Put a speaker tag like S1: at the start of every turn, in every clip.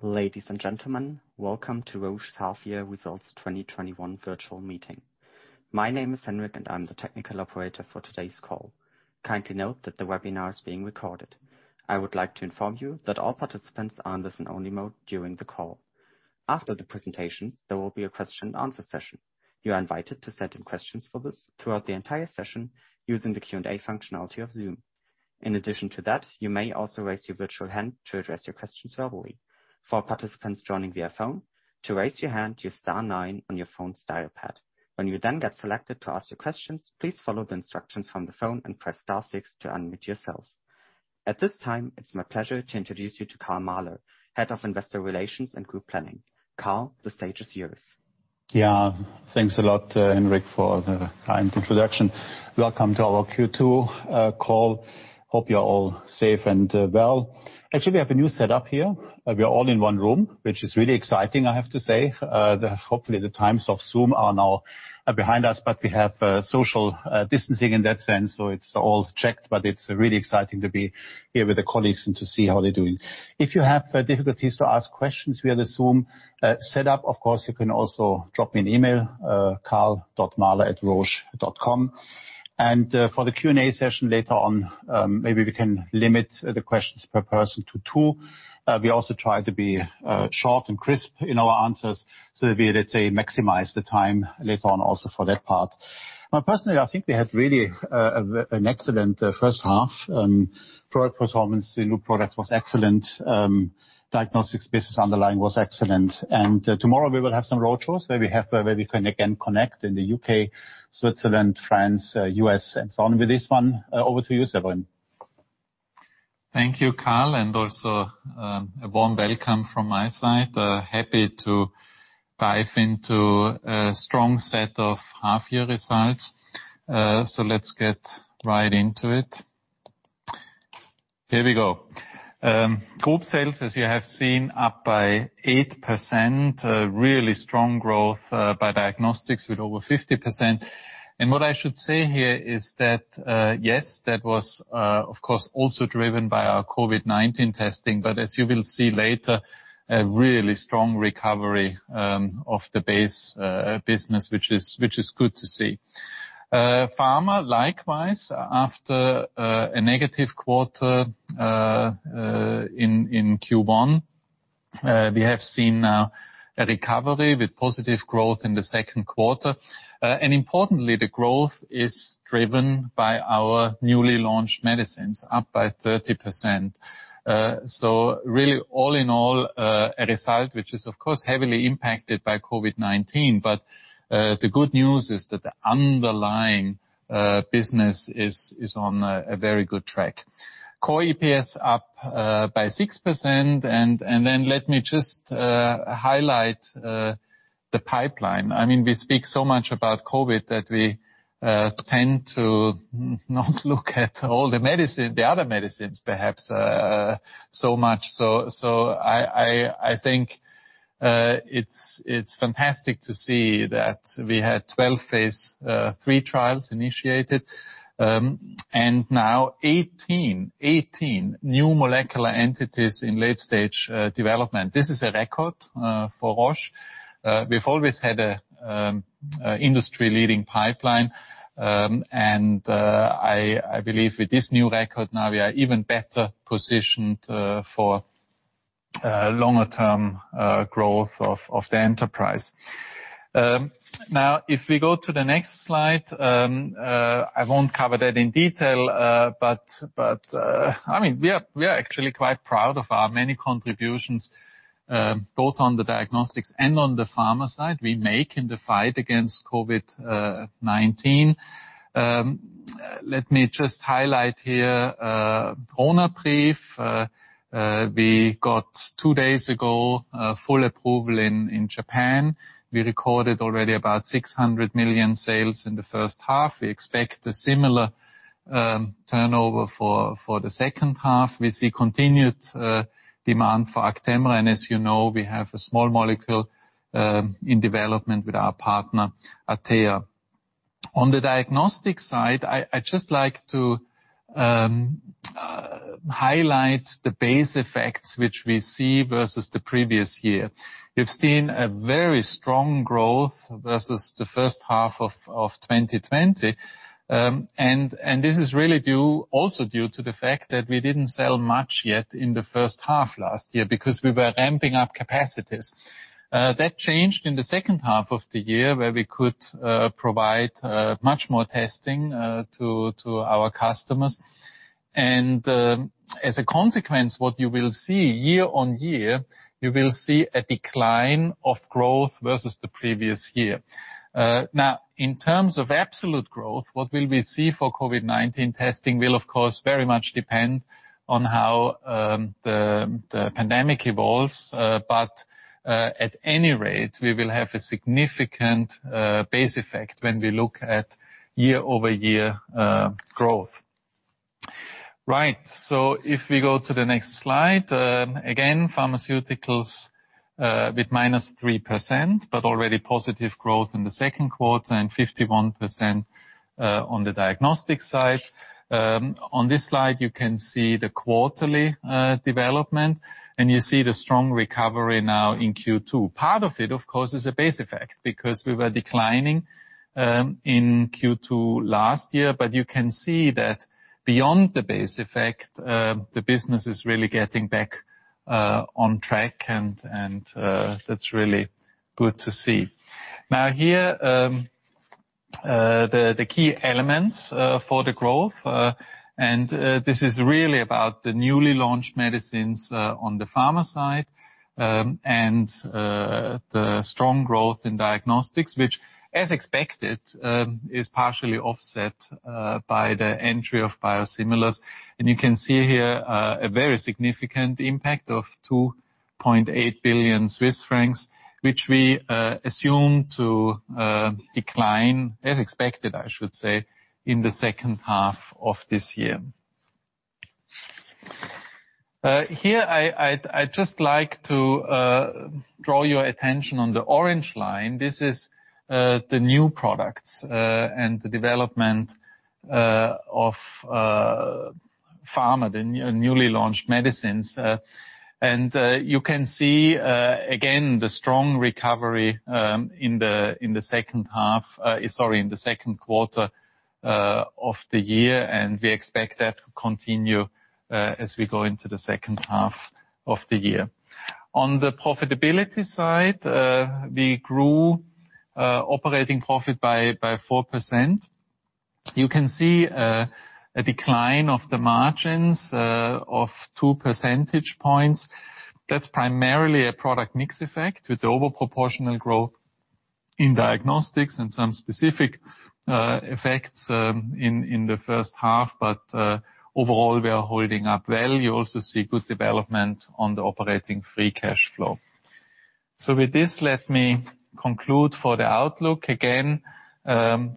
S1: Ladies and gentlemen, welcome to Roche half-year results 2021 virtual meeting. My name is Henrik, and I am the technical operator for today's call. Kindly note that the webinar is being recorded. I would like to inform you that all participants are on listen-only mode during the call. After the presentations, there will be a question and answer session. You are invited to send in questions for this throughout the entire session using the Q&A functionality of Zoom. In addition to that, you may also raise your virtual hand to address your questions verbally. For participants joining via phone, to raise your hand, use star nine on your phone's dial pad. When you then get selected to ask your questions, please follow the instructions from the phone and press star six to unmute yourself. At this time, it's my pleasure to introduce you to Karl Mahler, Head of Investor Relations and Group Planning. Karl, the stage is yours.
S2: Yeah. Thanks a lot, Henrik, for the kind introduction. Welcome to our Q2 call. Hope you're all safe and well. Actually, we have a new setup here. We are all in one room, which is really exciting, I have to say. Hopefully, the times of Zoom are now behind us. We have social distancing in that sense, so it's all checked, but it's really exciting to be here with the colleagues and to see how they're doing. If you have difficulties to ask questions via the Zoom setup, of course, you can also drop me an email, karl.mahler@roche.com. For the Q&A session later on, maybe we can limit the questions per person to two. We also try to be short and crisp in our answers so that we, let's say, maximize the time later on also for that part. Personally, I think we had really an excellent first half. Product performance in new product was excellent. Diagnostics business underlying was excellent. Tomorrow, we will have some road shows where we can again connect in the U.K., Switzerland, France, U.S., and so on. With this one, over to you, Severin.
S3: Thank you, Karl, and also a warm welcome from my side. Happy to dive into a strong set of half-year results. Let's get right into it. Here we go. Group sales, as you have seen, up by 8%. A really strong growth by Diagnostics with over 50%. What I should say here is that, yes, that was, of course, also driven by our COVID-19 testing. As you will see later, a really strong recovery of the base business, which is good to see. Pharma, likewise, after a negative quarter in Q1, we have seen now a recovery with positive growth in the second quarter. Importantly, the growth is driven by our newly launched medicines, up by 30%. Really, all in all, a result which is, of course, heavily impacted by COVID-19. The good news is that the underlying business is on a very good track. Core EPS up by 6%. Let me just highlight the pipeline. We speak so much about COVID-19 that we tend to not look at all the other medicines perhaps so much. I think it's fantastic to see that we had 12 phase III trials initiated. 18 new molecular entities in late-stage development. This is a record for Roche. We've always had an industry-leading pipeline, and I believe with this new record now, we are even better positioned for longer term growth of the enterprise. If we go to the next slide, I won't cover that in detail, but we are actually quite proud of our many contributions, both on the Diagnostics and on the Pharma side we make in the fight against COVID-19. Let me just highlight here, Ronapreve. We got two days ago, full approval in Japan. We recorded already about 600 million sales in the first half. We expect a similar turnover for the second half. We see continued demand for Actemra. As you know, we have a small molecule in development with our partner, Atea. On the Diagnostic side, I just like to highlight the base effects which we see versus the previous year. We've seen a very strong growth versus the first half of 2020. This is really also due to the fact that we didn't sell much yet in the first half last year because we were ramping up capacities. That changed in the second half of the year where we could provide much more testing to our customers. As a consequence, what you will see year-on-year, you will see a decline of growth versus the previous year. In terms of absolute growth, what will we see for COVID-19 testing will, of course, very much depend on how the pandemic evolves. At any rate, we will have a significant base effect when we look at year-over-year growth. Right. If we go to the next slide. Pharmaceuticals with -3%, but already positive growth in the second quarter and 51% on the Diagnostics side. On this slide, you can see the quarterly development, and you see the strong recovery now in Q2. Part of it, of course, is a base effect, because we were declining in Q2 last year, but you can see that beyond the base effect, the business is really getting back on track, and that's really good to see. Here, the key elements for the growth, this is really about the newly launched medicines on the Pharma side, the strong growth in Diagnostics, which, as expected, is partially offset by the entry of biosimilars. You can see here a very significant impact of 2.8 billion Swiss francs, which we assume to decline, as expected, I should say, in the second half of this year. Here, I'd just like to draw your attention on the orange line. This is the new products and the development of Pharma, the newly launched medicines. You can see, again, the strong recovery in the second quarter of the year, we expect that to continue as we go into the second half of the year. On the profitability side, we grew operating profit by 4%. You can see a decline of the margins of 2 percentage points. That's primarily at product mixed effect with over proportional growth in Diagnostics and some specific effects in the first half. Overall, we are holding up well. You also see good development on the operating free cash flow. With this, let me conclude for the outlook. Again,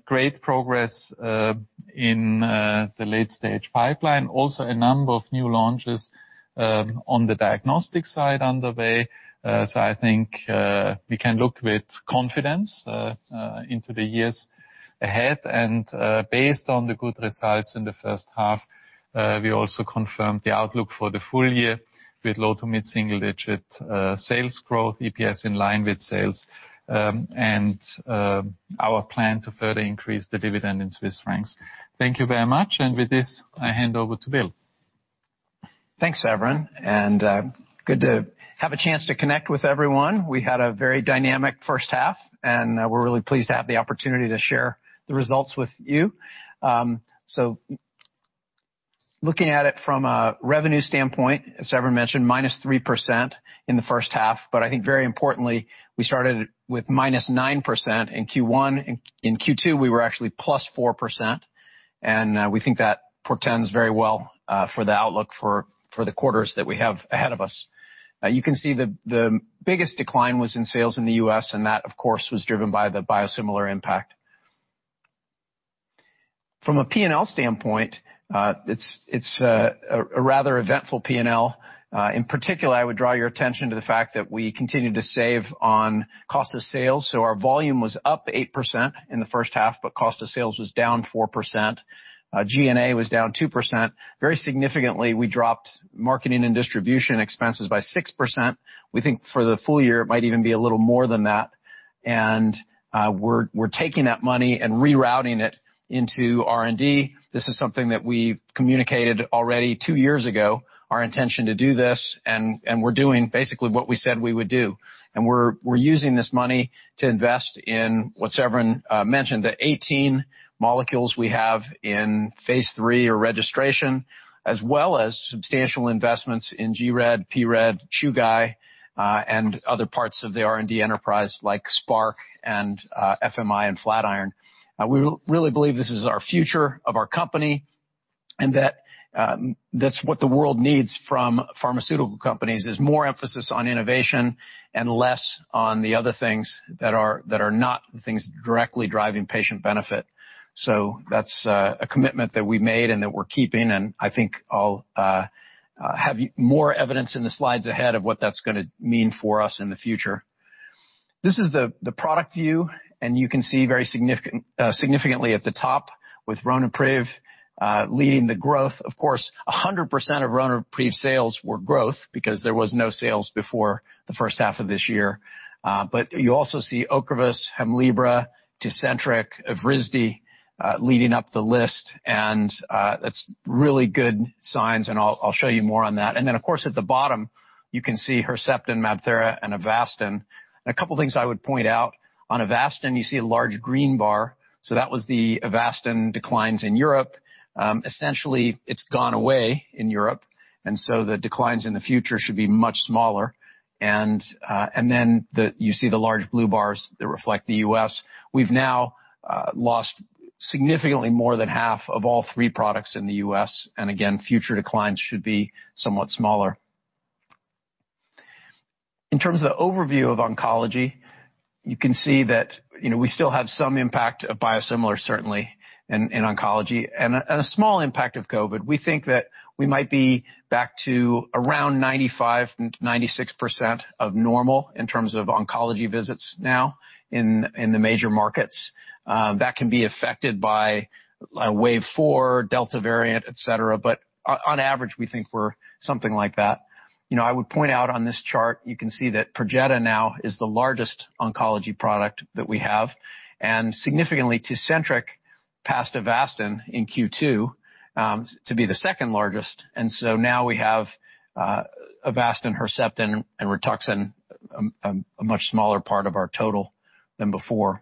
S3: great progress in the late-stage pipeline. Also a number of new launches on the Diagnostic side underway. I think we can look with confidence into the years ahead. Based on the good results in the first half, we also confirmed the outlook for the full year with low to mid-single-digit sales growth, EPS in line with sales, and our plan to further increase the dividend in Swiss francs. Thank you very much, with this, I hand over to Bill.
S4: Thanks, Severin. Good to have a chance to connect with everyone. We had a very dynamic first half, and we're really pleased to have the opportunity to share the results with you. Looking at it from a revenue standpoint, as Severin mentioned, -3% in the first half, but I think very importantly, we started with -9% in Q1. In Q2, we were actually +4%, and we think that portends very well for the outlook for the quarters that we have ahead of us. You can see the biggest decline was in sales in the U.S., and that, of course, was driven by the biosimilar impact. From a P&L standpoint, it's a rather eventful P&L. In particular, I would draw your attention to the fact that we continue to save on cost of sales. Our volume was up 8% in the first half, but cost of sales was down 4%. G&A was down 2%. Very significantly, we dropped marketing and distribution expenses by 6%. We think for the full year, it might even be a little more than that. We're taking that money and rerouting it into R&D. This is something that we communicated already two years ago, our intention to do this, and we're doing basically what we said we would do. We're using this money to invest in what Severin mentioned, the 18 molecules we have in phase III or registration, as well as substantial investments in gRED, pRED, Chugai, and other parts of the R&D enterprise like Spark and FMI and Flatiron. We really believe this is our future of our company, what the world needs from pharmaceutical companies is more emphasis on innovation and less on the other things that are not the things directly driving patient benefit. That's a commitment that we made and that we're keeping, I think I'll have more evidence in the slides ahead of what that's going to mean for us in the future. This is the product view, you can see very significantly at the top with Ronapreve leading the growth. Of course, 100% of Ronapreve sales were growth because there was no sales before the first half of this year. You also see Ocrevus, Hemlibra, Tecentriq, Evrysdi leading up the list, that's really good signs, I'll show you more on that. Of course, at the bottom, you can see Herceptin, MabThera, and Avastin. A couple of things I would point out. On Avastin, you see a large green bar. That was the Avastin declines in Europe. Essentially, it's gone away in Europe, the declines in the future should be much smaller. You see the large blue bars that reflect the U.S. We've now lost significantly more than half of all three products in the U.S., future declines should be somewhat smaller. In terms of the overview of oncology. You can see that we still have some impact of biosimilar, certainly in oncology, and a small impact of COVID. We think that we might be back to around 95%-96% of normal in terms of oncology visits now in the major markets. That can be affected by wave 4, Delta variant, et cetera, on average, we think we're something like that. I would point out on this chart, you can see that Perjeta now is the largest oncology product that we have, and significantly Tecentriq passed Avastin in Q2 to be the second largest. Now we have Avastin, Herceptin, and Rituxan, a much smaller part of our total than before.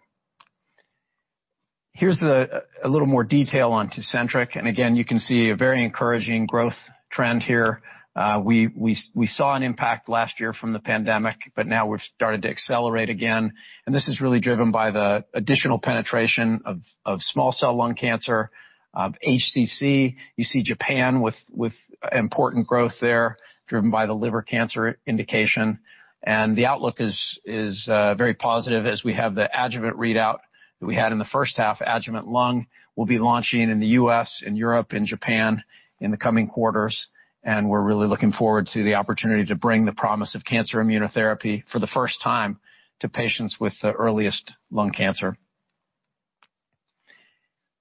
S4: Here's a little more detail on Tecentriq, and again, you can see a very encouraging growth trend here. We saw an impact last year from the pandemic, but now we've started to accelerate again, and this is really driven by the additional penetration of small cell lung cancer, HCC. You see Japan with important growth there driven by the liver cancer indication. The outlook is very positive as we have the adjuvant readout that we had in the first half. Adjuvant lung will be launching in the U.S., in Europe, in Japan in the coming quarters. We're really looking forward to the opportunity to bring the promise of cancer immunotherapy for the first time to patients with the earliest lung cancer.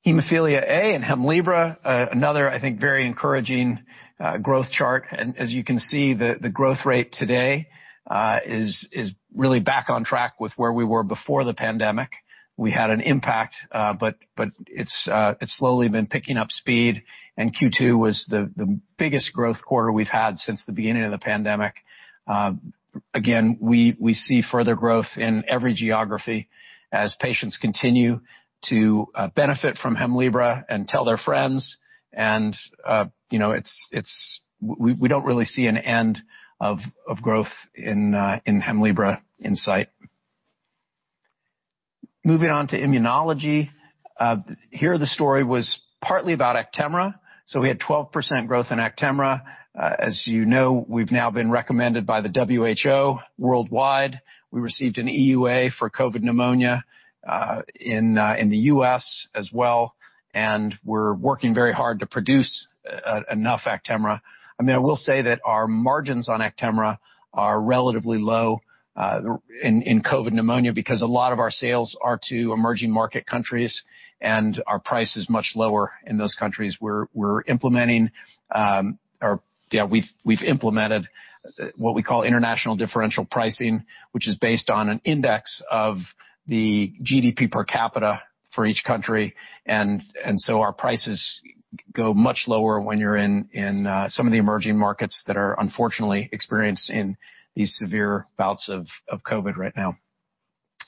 S4: Haemophilia A and Hemlibra, another, I think, very encouraging growth chart. As you can see, the growth rate today is really back on track with where we were before the pandemic. We had an impact, it's slowly been picking up speed. Q2 was the biggest growth quarter we've had since the beginning of the pandemic. Again, we see further growth in every geography as patients continue to benefit from Hemlibra and tell their friends. We don't really see an end of growth in Hemlibra in sight. Moving on to immunology. Here, the story was partly about Actemra. We had 12% growth in Actemra. As you know, we've now been recommended by the WHO worldwide. We received an EUA for COVID pneumonia in the U.S., as well, and we're working very hard to produce enough Actemra. I mean, I will say that our margins on Actemra are relatively low in COVID pneumonia because a lot of our sales are to emerging market countries, and our price is much lower in those countries. We've implemented what we call international differential pricing, which is based on an index of the GDP per capita for each country, and so our prices go much lower when you're in some of the emerging markets that are unfortunately experiencing these severe bouts of COVID right now.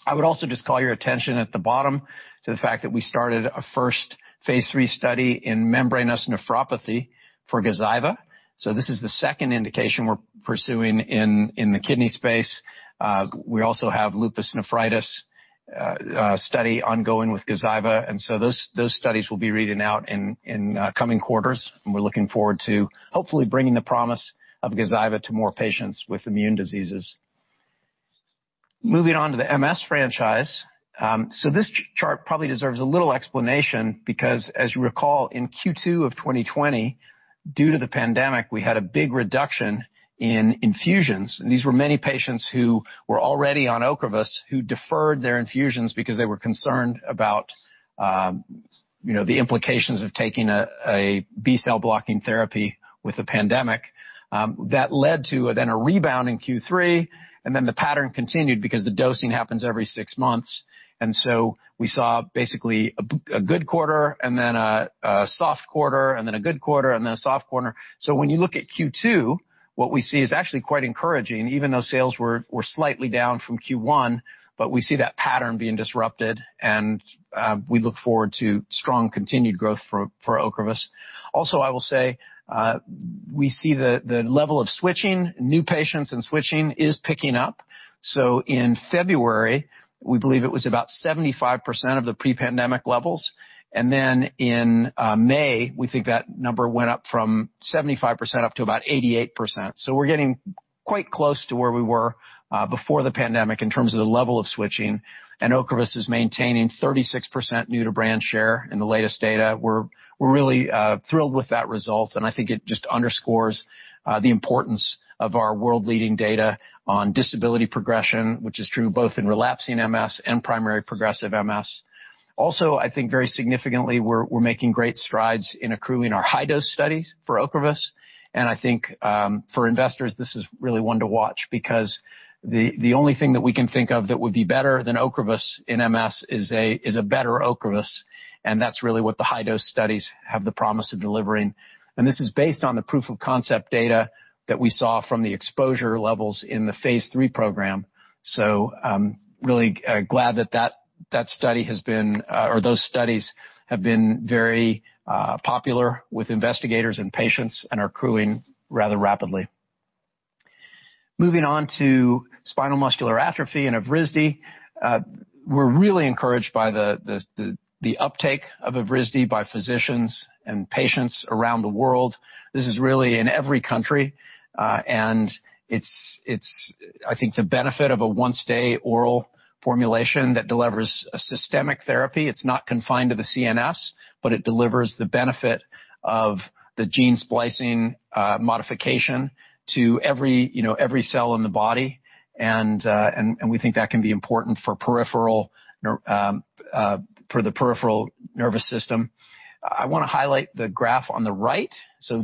S4: I would also just call your attention at the bottom to the fact that we started a first phase III study in membranous nephropathy for Gazyva. This is the second indication we're pursuing in the kidney space. We also have lupus nephritis study ongoing with Gazyva, those studies will be reading out in coming quarters, and we're looking forward to hopefully bringing the promise of Gazyva to more patients with immune diseases. Moving on to the MS franchise. This chart probably deserves a little explanation because, as you recall, in Q2 of 2020, due to the pandemic, we had a big reduction in infusions, and these were many patients who were already on Ocrevus who deferred their infusions because they were concerned about the implications of taking a B-cell blocking therapy with the pandemic. That led to then a rebound in Q3, and then the pattern continued because the dosing happens every six months. We saw basically a good quarter and then a soft quarter, and then a good quarter and then a soft quarter. When you look at Q2, what we see is actually quite encouraging, even though sales were slightly down from Q1, but we see that pattern being disrupted, and we look forward to strong continued growth for Ocrevus. I will say we see the level of switching, new patients and switching is picking up. In February, we believe it was about 75% of the pre-pandemic levels. In May, we think that number went up from 75% up to about 88%. We're getting quite close to where we were before the pandemic in terms of the level of switching. Ocrevus is maintaining 36% new-to-brand share in the latest data. We're really thrilled with that result, I think it just underscores the importance of our world-leading data on disability progression, which is true both in relapsing MS and primary progressive MS. Also, I think very significantly, we're making great strides in accruing our high-dose studies for Ocrevus, I think for investors, this is really one to watch because the only thing that we can think of that would be better than Ocrevus in MS is a better Ocrevus, that's really what the high-dose studies have the promise of delivering. This is based on the proof of concept data that we saw from the exposure levels in the phase III program. I'm really glad that those studies have been very popular with investigators and patients and are accruing rather rapidly. Moving on to spinal muscular atrophy and Evrysdi. We're really encouraged by the uptake of Evrysdi by physicians and patients around the world. This is really in every country, and it's I think the benefit of a once-day oral formulation that delivers a systemic therapy. It's not confined to the CNS, but it delivers the benefit of the gene splicing modification to every cell in the body, and we think that can be important for the peripheral nervous system. I want to highlight the graph on the right.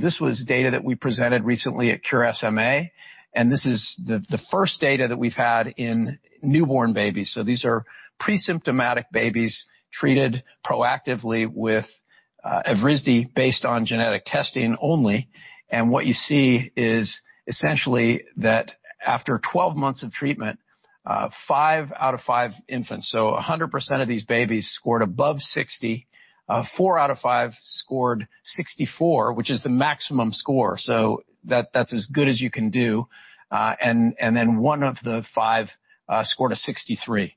S4: This was data that we presented recently at Cure SMA, and this is the first data that we've had in newborn babies. These are pre-symptomatic babies treated proactively with Evrysdi based on genetic testing only. What you see is essentially that after 12 months of treatment, five out of five infants, so 100% of these babies scored above 60. Four out of five scored 64, which is the maximum score. That's as good as you can do. One of the five scored a 63.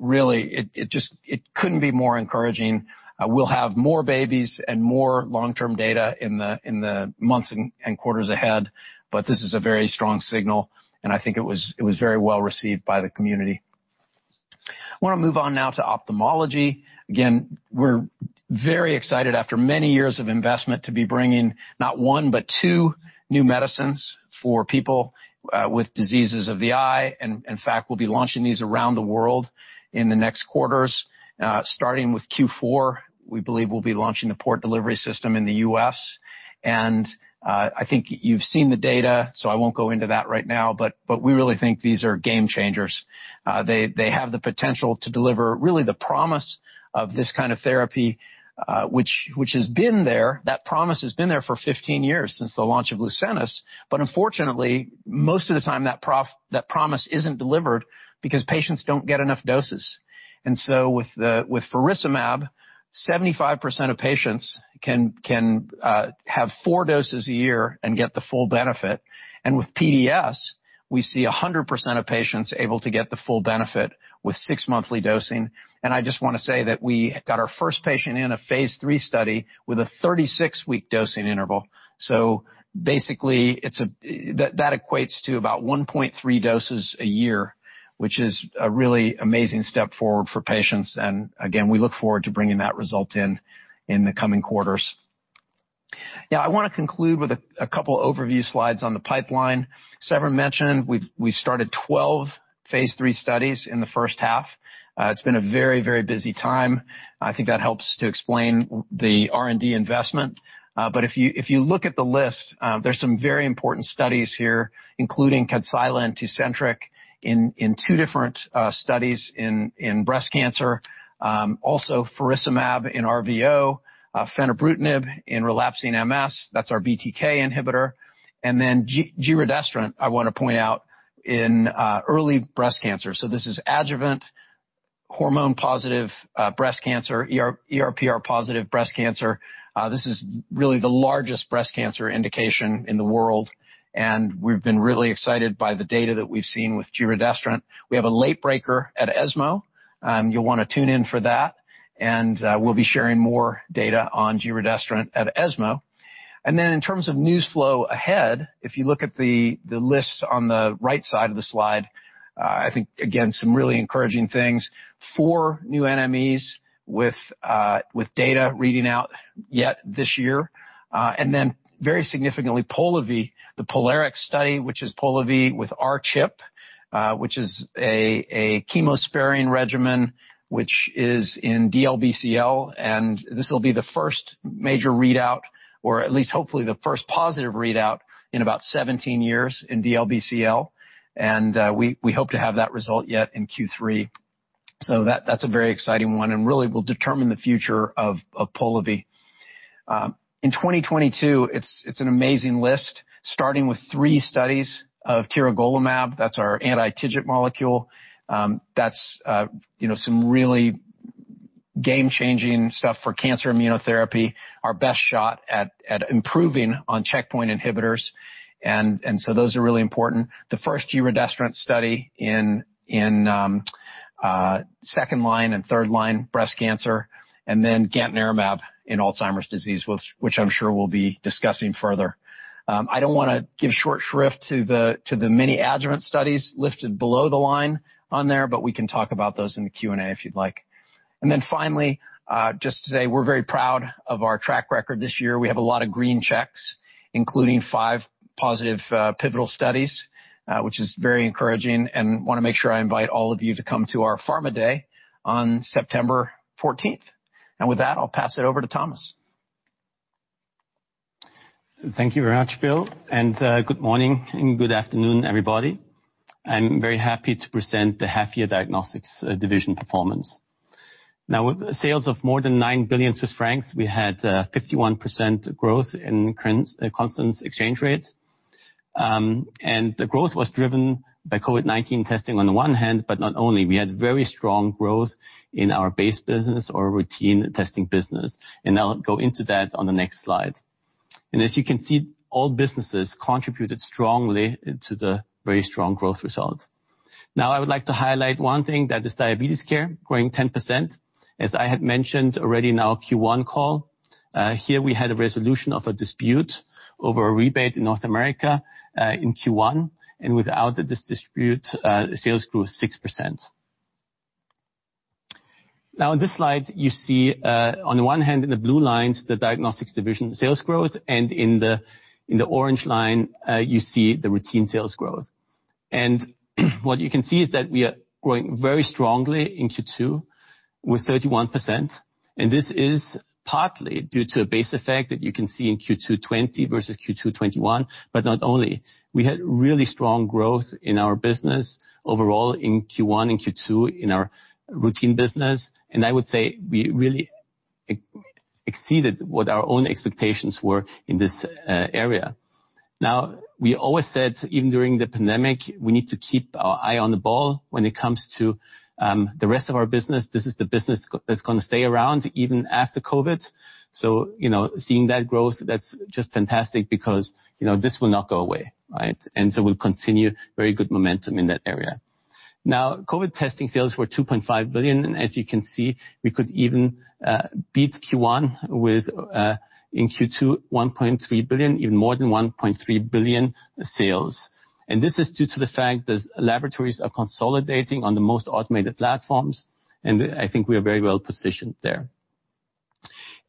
S4: Really it couldn't be more encouraging. We'll have more babies and more long-term data in the months and quarters ahead, but this is a very strong signal, and I think it was very well received by the community. I want to move on now to ophthalmology. Again, we're very excited after many years of investment to be bringing not one, but two new medicines for people with diseases of the eye. In fact, we'll be launching these around the world in the next quarters. Starting with Q4, we believe we'll be launching the Port Delivery System in the U.S. I think you've seen the data, I won't go into that right now. We really think these are game changers. They have the potential to deliver really the promise of this kind of therapy, which has been there. That promise has been there for 15 years, since the launch of Lucentis. Unfortunately, most of the time, that promise isn't delivered because patients don't get enough doses. With faricimab, 75% of patients can have 4 doses a year and get the full benefit. With PDS, we see 100% of patients able to get the full benefit with six monthly dosing. I just want to say that we got our first patient in a phase III study with a 36-week dosing interval. Basically, that equates to about 1.3 doses a year, which is a really amazing step forward for patients. Again, we look forward to bringing that result in in the coming quarters. I want to conclude with a couple overview slides on the pipeline. Severin mentioned we started 12 phase III studies in the first half. It's been a very busy time. I think that helps to explain the R&D investment. If you look at the list, there's some very important studies here, including Kadcyla and Tecentriq in two different studies in breast cancer. Faricimab in RVO, fenebrutinib in relapsing MS, that's our BTK inhibitor, giredestrant, I want to point out, in early breast cancer. This is adjuvant hormone-positive breast cancer, ER/PR-positive breast cancer. This is really the largest breast cancer indication in the world, and we've been really excited by the data that we've seen with giredestrant. We have a late breaker at ESMO. You'll want to tune in for that, and we'll be sharing more data on giredestrant at ESMO. In terms of news flow ahead, if you look at the list on the right side of the slide, I think again, some really encouraging things. Four new NMEs with data reading out yet this year. Very significantly, Polivy, the POLARIX study, which is Polivy with R-CHP, which is a chemo-sparing regimen, which is in DLBCL, and this will be the first major readout, or at least hopefully the first positive readout in about 17 years in DLBCL. We hope to have that result yet in Q3. That's a very exciting one and really will determine the future of Polivy. In 2022, it's an amazing list, starting with three studies of tiragolumab. That's our anti-TIGIT molecule. That's some really game-changing stuff for cancer immunotherapy, our best shot at improving on checkpoint inhibitors. Those are really important. The first giredestrant study in second-line and third-line breast cancer, and then gantenerumab in Alzheimer's disease, which I'm sure we'll be discussing further. I don't want to give short shrift to the many adjuvant studies listed below the line on there, but we can talk about those in the Q&A if you'd like. Finally, just to say we're very proud of our track record this year. We have a lot of green checks, including five positive pivotal studies, which is very encouraging, and want to make sure I invite all of you to come to our Pharma Day on September 14th. With that, I'll pass it over to Thomas.
S5: Thank you very much, Bill. Good morning and good afternoon, everybody. I'm very happy to present the half-year Diagnostics Division performance. With sales of more than 9 billion Swiss francs, we had 51% growth in constant exchange rates. The growth was driven by COVID-19 testing on one hand, but not only. We had very strong growth in our base business or routine testing business, and I'll go into that on the next slide. As you can see, all businesses contributed strongly into the very strong growth result. I would like to highlight one thing, that is diabetes care growing 10%. As I had mentioned already in our Q1 call, here we had a resolution of a dispute over a rebate in North America in Q1. Without this dispute, sales grew 6%. In this slide, you see on the one hand in the blue lines, the Diagnostics division sales growth, and in the orange line you see the routine sales growth. What you can see is that we are growing very strongly in Q2 with 31%, and this is partly due to a base effect that you can see in Q2 2020 versus Q2 2021, but not only. We had really strong growth in our business overall in Q1 and Q2 in our routine business. I would say we really exceeded what our own expectations were in this area. We always said, even during the pandemic, we need to keep our eye on the ball when it comes to the rest of our business. This is the business that's going to stay around even after COVID. Seeing that growth, that's just fantastic because this will not go away, right? We'll continue very good momentum in that area. Now, COVID testing sales were 2.5 billion, as you can see, we could even beat Q1 with in Q2 1.3 billion, even more than 1.3 billion sales. This is due to the fact that laboratories are consolidating on the most automated platforms, and I think we are very well positioned there.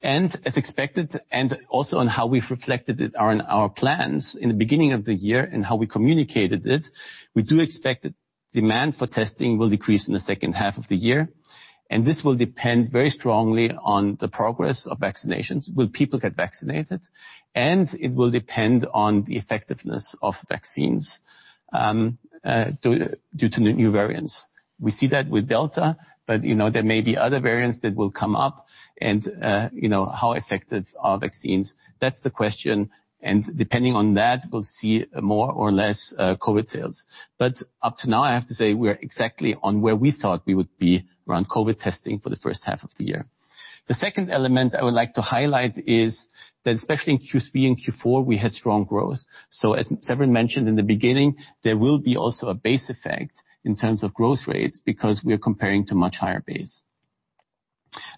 S5: As expected, and also on how we've reflected it in our plans in the beginning of the year and how we communicated it, we do expect that demand for testing will decrease in the second half of the year. This will depend very strongly on the progress of vaccinations. Will people get vaccinated? It will depend on the effectiveness of vaccines due to new variants. We see that with Delta, but there may be other variants that will come up and how effective are vaccines? That's the question. Depending on that, we'll see more or less COVID sales. Up to now, I have to say we're exactly on where we thought we would be around COVID testing for the first half of the year. The second element I would like to highlight is that especially in Q3 and Q4, we had strong growth. As Severin mentioned in the beginning, there will be also a base effect in terms of growth rates because we are comparing to much higher base.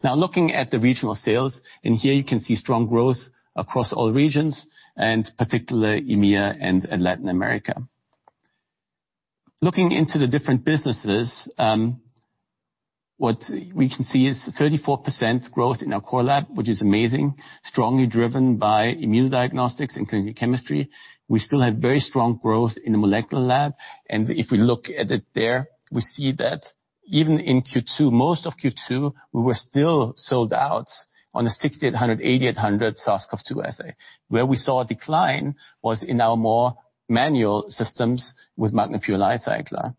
S5: Now looking at the regional sales, and here you can see strong growth across all regions, and particularly EMEA and Latin America. Looking into the different businesses, what we can see is 34% growth in our core lab, which is amazing. Strongly driven by immune diagnostics and clinical chemistry. We still have very strong growth in the molecular lab, if we look at it there, we see that even in Q2, most of Q2, we were still sold out on the 6,800, 8,800 SARS-CoV-2 assay. Where we saw a decline was in our more manual systems with MagNA Pure LightCycler.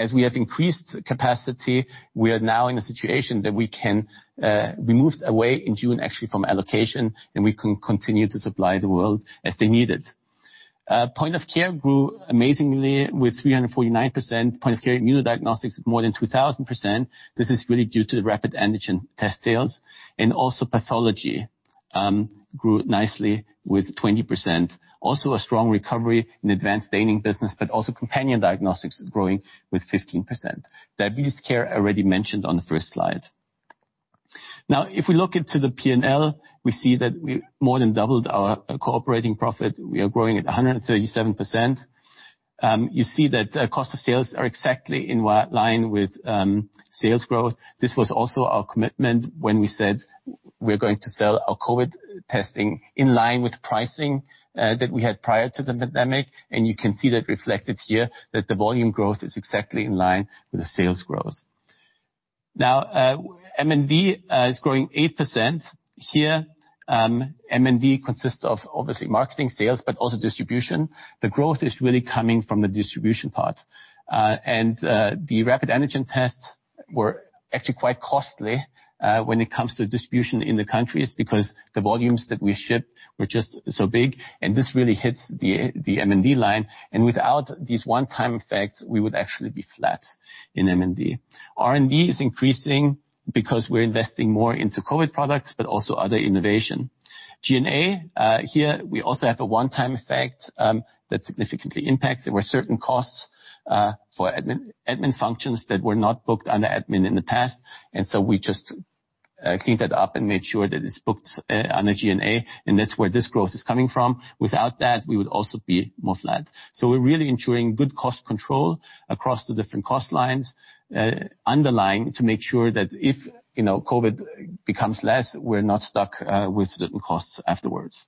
S5: As we have increased capacity, we are now in a situation that we moved away in June, actually, from allocation, and we can continue to supply the world as they need it. Point of Care grew amazingly with 349%. Point of Care immune diagnostics more than 2,000%. This is really due to the rapid antigen test sales. Also pathology grew nicely with 20%. Also a strong recovery in advanced staining business, but also companion diagnostics growing with 15%. Diabetes care already mentioned on the first slide. If we look into the P&L, we see that we more than doubled our core operating profit. We are growing at 137%. You see that cost of sales are exactly in line with sales growth. This was also our commitment when we said we're going to sell our COVID testing in line with pricing that we had prior to the pandemic. You can see that reflected here, that the volume growth is exactly in line with the sales growth. M&D is growing 8% here. M&D consists of obviously marketing sales, but also distribution. The growth is really coming from the distribution part. The rapid antigen tests were actually quite costly when it comes to distribution in the countries because the volumes that we shipped were just so big, and this really hits the M&D line. Without these one-time effects, we would actually be flat in M&D. R&D is increasing because we're investing more into COVID products, but also other innovation. G&A, here we also have a one-time effect that significantly impacts. There were certain costs for admin functions that were not booked under admin in the past. We just cleaned that up and made sure that it's booked under G&A, and that's where this growth is coming from. Without that, we would also be more flat. We're really ensuring good cost control across the different cost lines underlying to make sure that if COVID becomes less, we're not stuck with certain costs afterwards.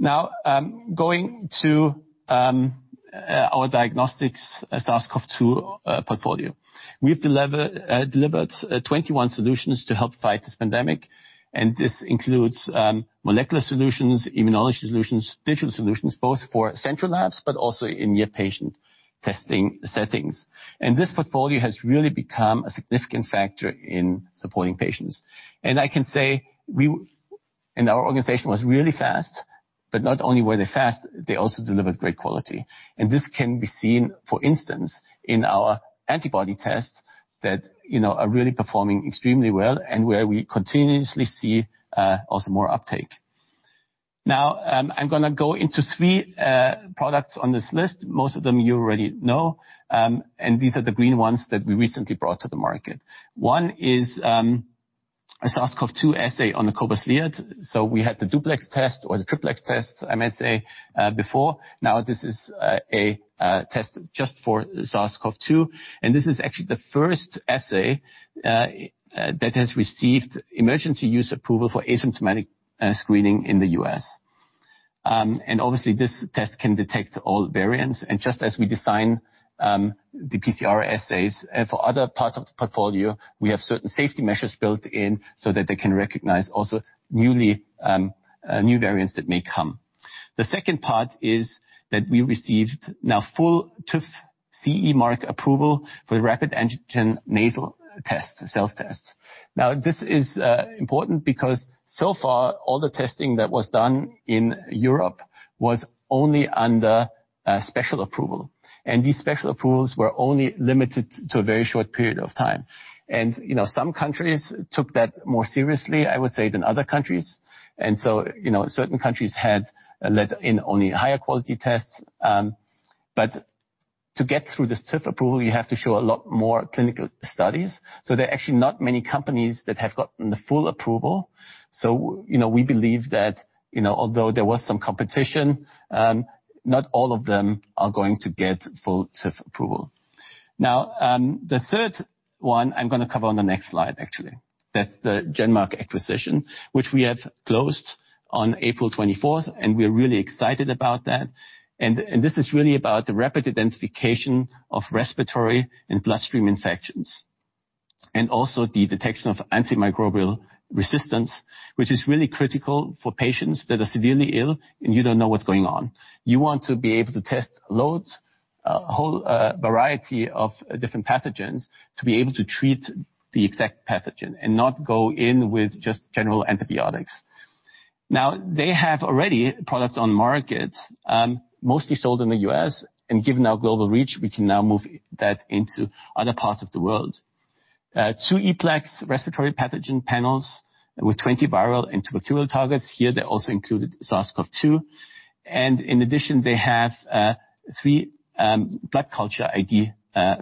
S5: Going to our Diagnostics SARS-CoV-2 portfolio. We have delivered 21 solutions to help fight this pandemic, and this includes molecular solutions, immunology solutions, digital solutions, both for central labs, but also in near patient testing settings. This portfolio has really become a significant factor in supporting patients. I can say, our organization was really fast. Not only were they fast, they also delivered great quality. This can be seen, for instance, in our antibody tests that are really performing extremely well and where we continuously see, also more uptake. Now, I'm going to go into three products on this list. Most of them you already know, and these are the green ones that we recently brought to the market. One is a SARS-CoV-2 assay on the cobas liat. We had the duplex test or the triplex test, I might say, before. Now this is a test just for SARS-CoV-2, and this is actually the first assay that has received emergency use approval for asymptomatic screening in the U.S. Obviously, this test can detect all variants, just as we design the PCR assays for other parts of the portfolio, we have certain safety measures built in so that they can recognize also new variants that may come. The second part is that we received now full TÜV CE mark approval for the rapid antigen nasal test, self-test. This is important because so far all the testing that was done in Europe was only under special approval. These special approvals were only limited to a very short period of time. Some countries took that more seriously, I would say, than other countries. Certain countries had let in only higher quality tests. To get through this TÜV approval, you have to show a lot more clinical studies, so there are actually not many companies that have gotten the full approval. We believe that although there was some competition, not all of them are going to get full TÜV approval. The third one I'm going to cover on the next slide, actually. That's the GenMark acquisition, which we have closed on April 24th, and we are really excited about that. This is really about the rapid identification of respiratory and bloodstream infections. Also the detection of antimicrobial resistance, which is really critical for patients that are severely ill and you don't know what's going on. You want to be able to test loads, a whole variety of different pathogens, to be able to treat the exact pathogen and not go in with just general antibiotics. They have already products on market, mostly sold in the U.S., and given our global reach, we can now move that into other parts of the world. Two eplex respiratory pathogen panels with 20 viral antibacterial targets. Here, they also included SARS-CoV-2. In addition, they have three blood culture ID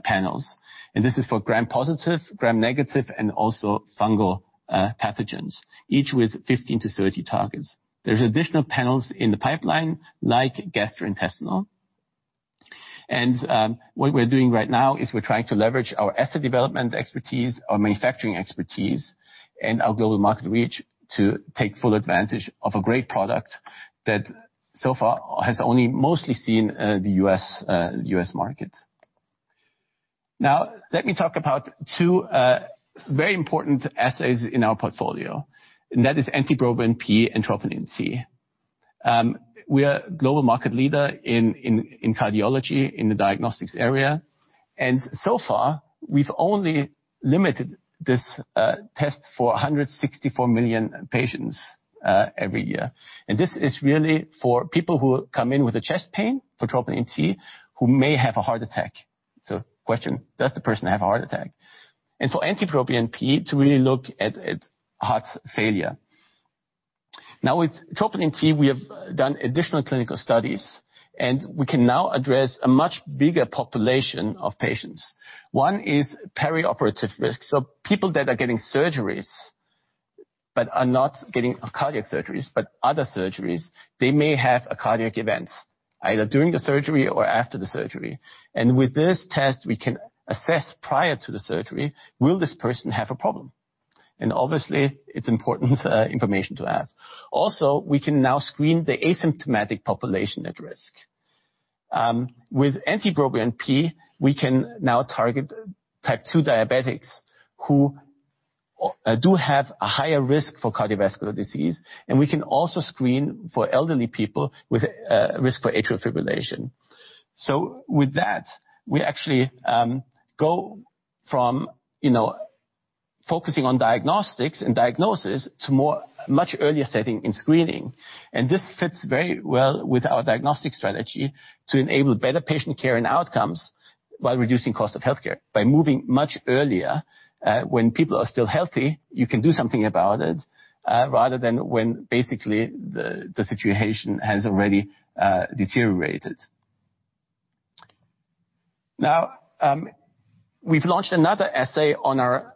S5: panels. This is for gram-positive, gram-negative, and also fungal pathogens, each with 15-30 targets. There's additional panels in the pipeline like gastrointestinal. What we're doing right now is we're trying to leverage our asset development expertise, our manufacturing expertise, and our global market reach to take full advantage of a great product that so far has only mostly seen the U.S. market. Now, let me talk about two very important assays in our portfolio, and that is NT-proBNP and troponin T. We are global market leader in cardiology in the Diagnostics area. So far, we've only limited this test for 164 million patients every year. This is really for people who come in with a chest pain, for troponin T, who may have a heart attack. Question, does the person have a heart attack? For NT-proBNP to really look at heart failure. Now with troponin T, we have done additional clinical studies, and we can now address a much bigger population of patients. One is perioperative risk, so people that are getting surgeries but are not getting cardiac surgeries, but other surgeries, they may have a cardiac event either during the surgery or after the surgery. With this test, we can assess prior to the surgery, will this person have a problem? Obviously, it's important information to have. Also, we can now screen the asymptomatic population at risk. With NT-proBNP, we can now target type 2 diabetics who do have a higher risk for cardiovascular disease, and we can also screen for elderly people with a risk for atrial fibrillation. With that, we actually go from focusing on Diagnostics and diagnosis to much earlier setting in screening. This fits very well with our Diagnostic strategy to enable better patient care and outcomes while reducing cost of healthcare. By moving much earlier, when people are still healthy, you can do something about it, rather than when basically the situation has already deteriorated. We've launched another assay on our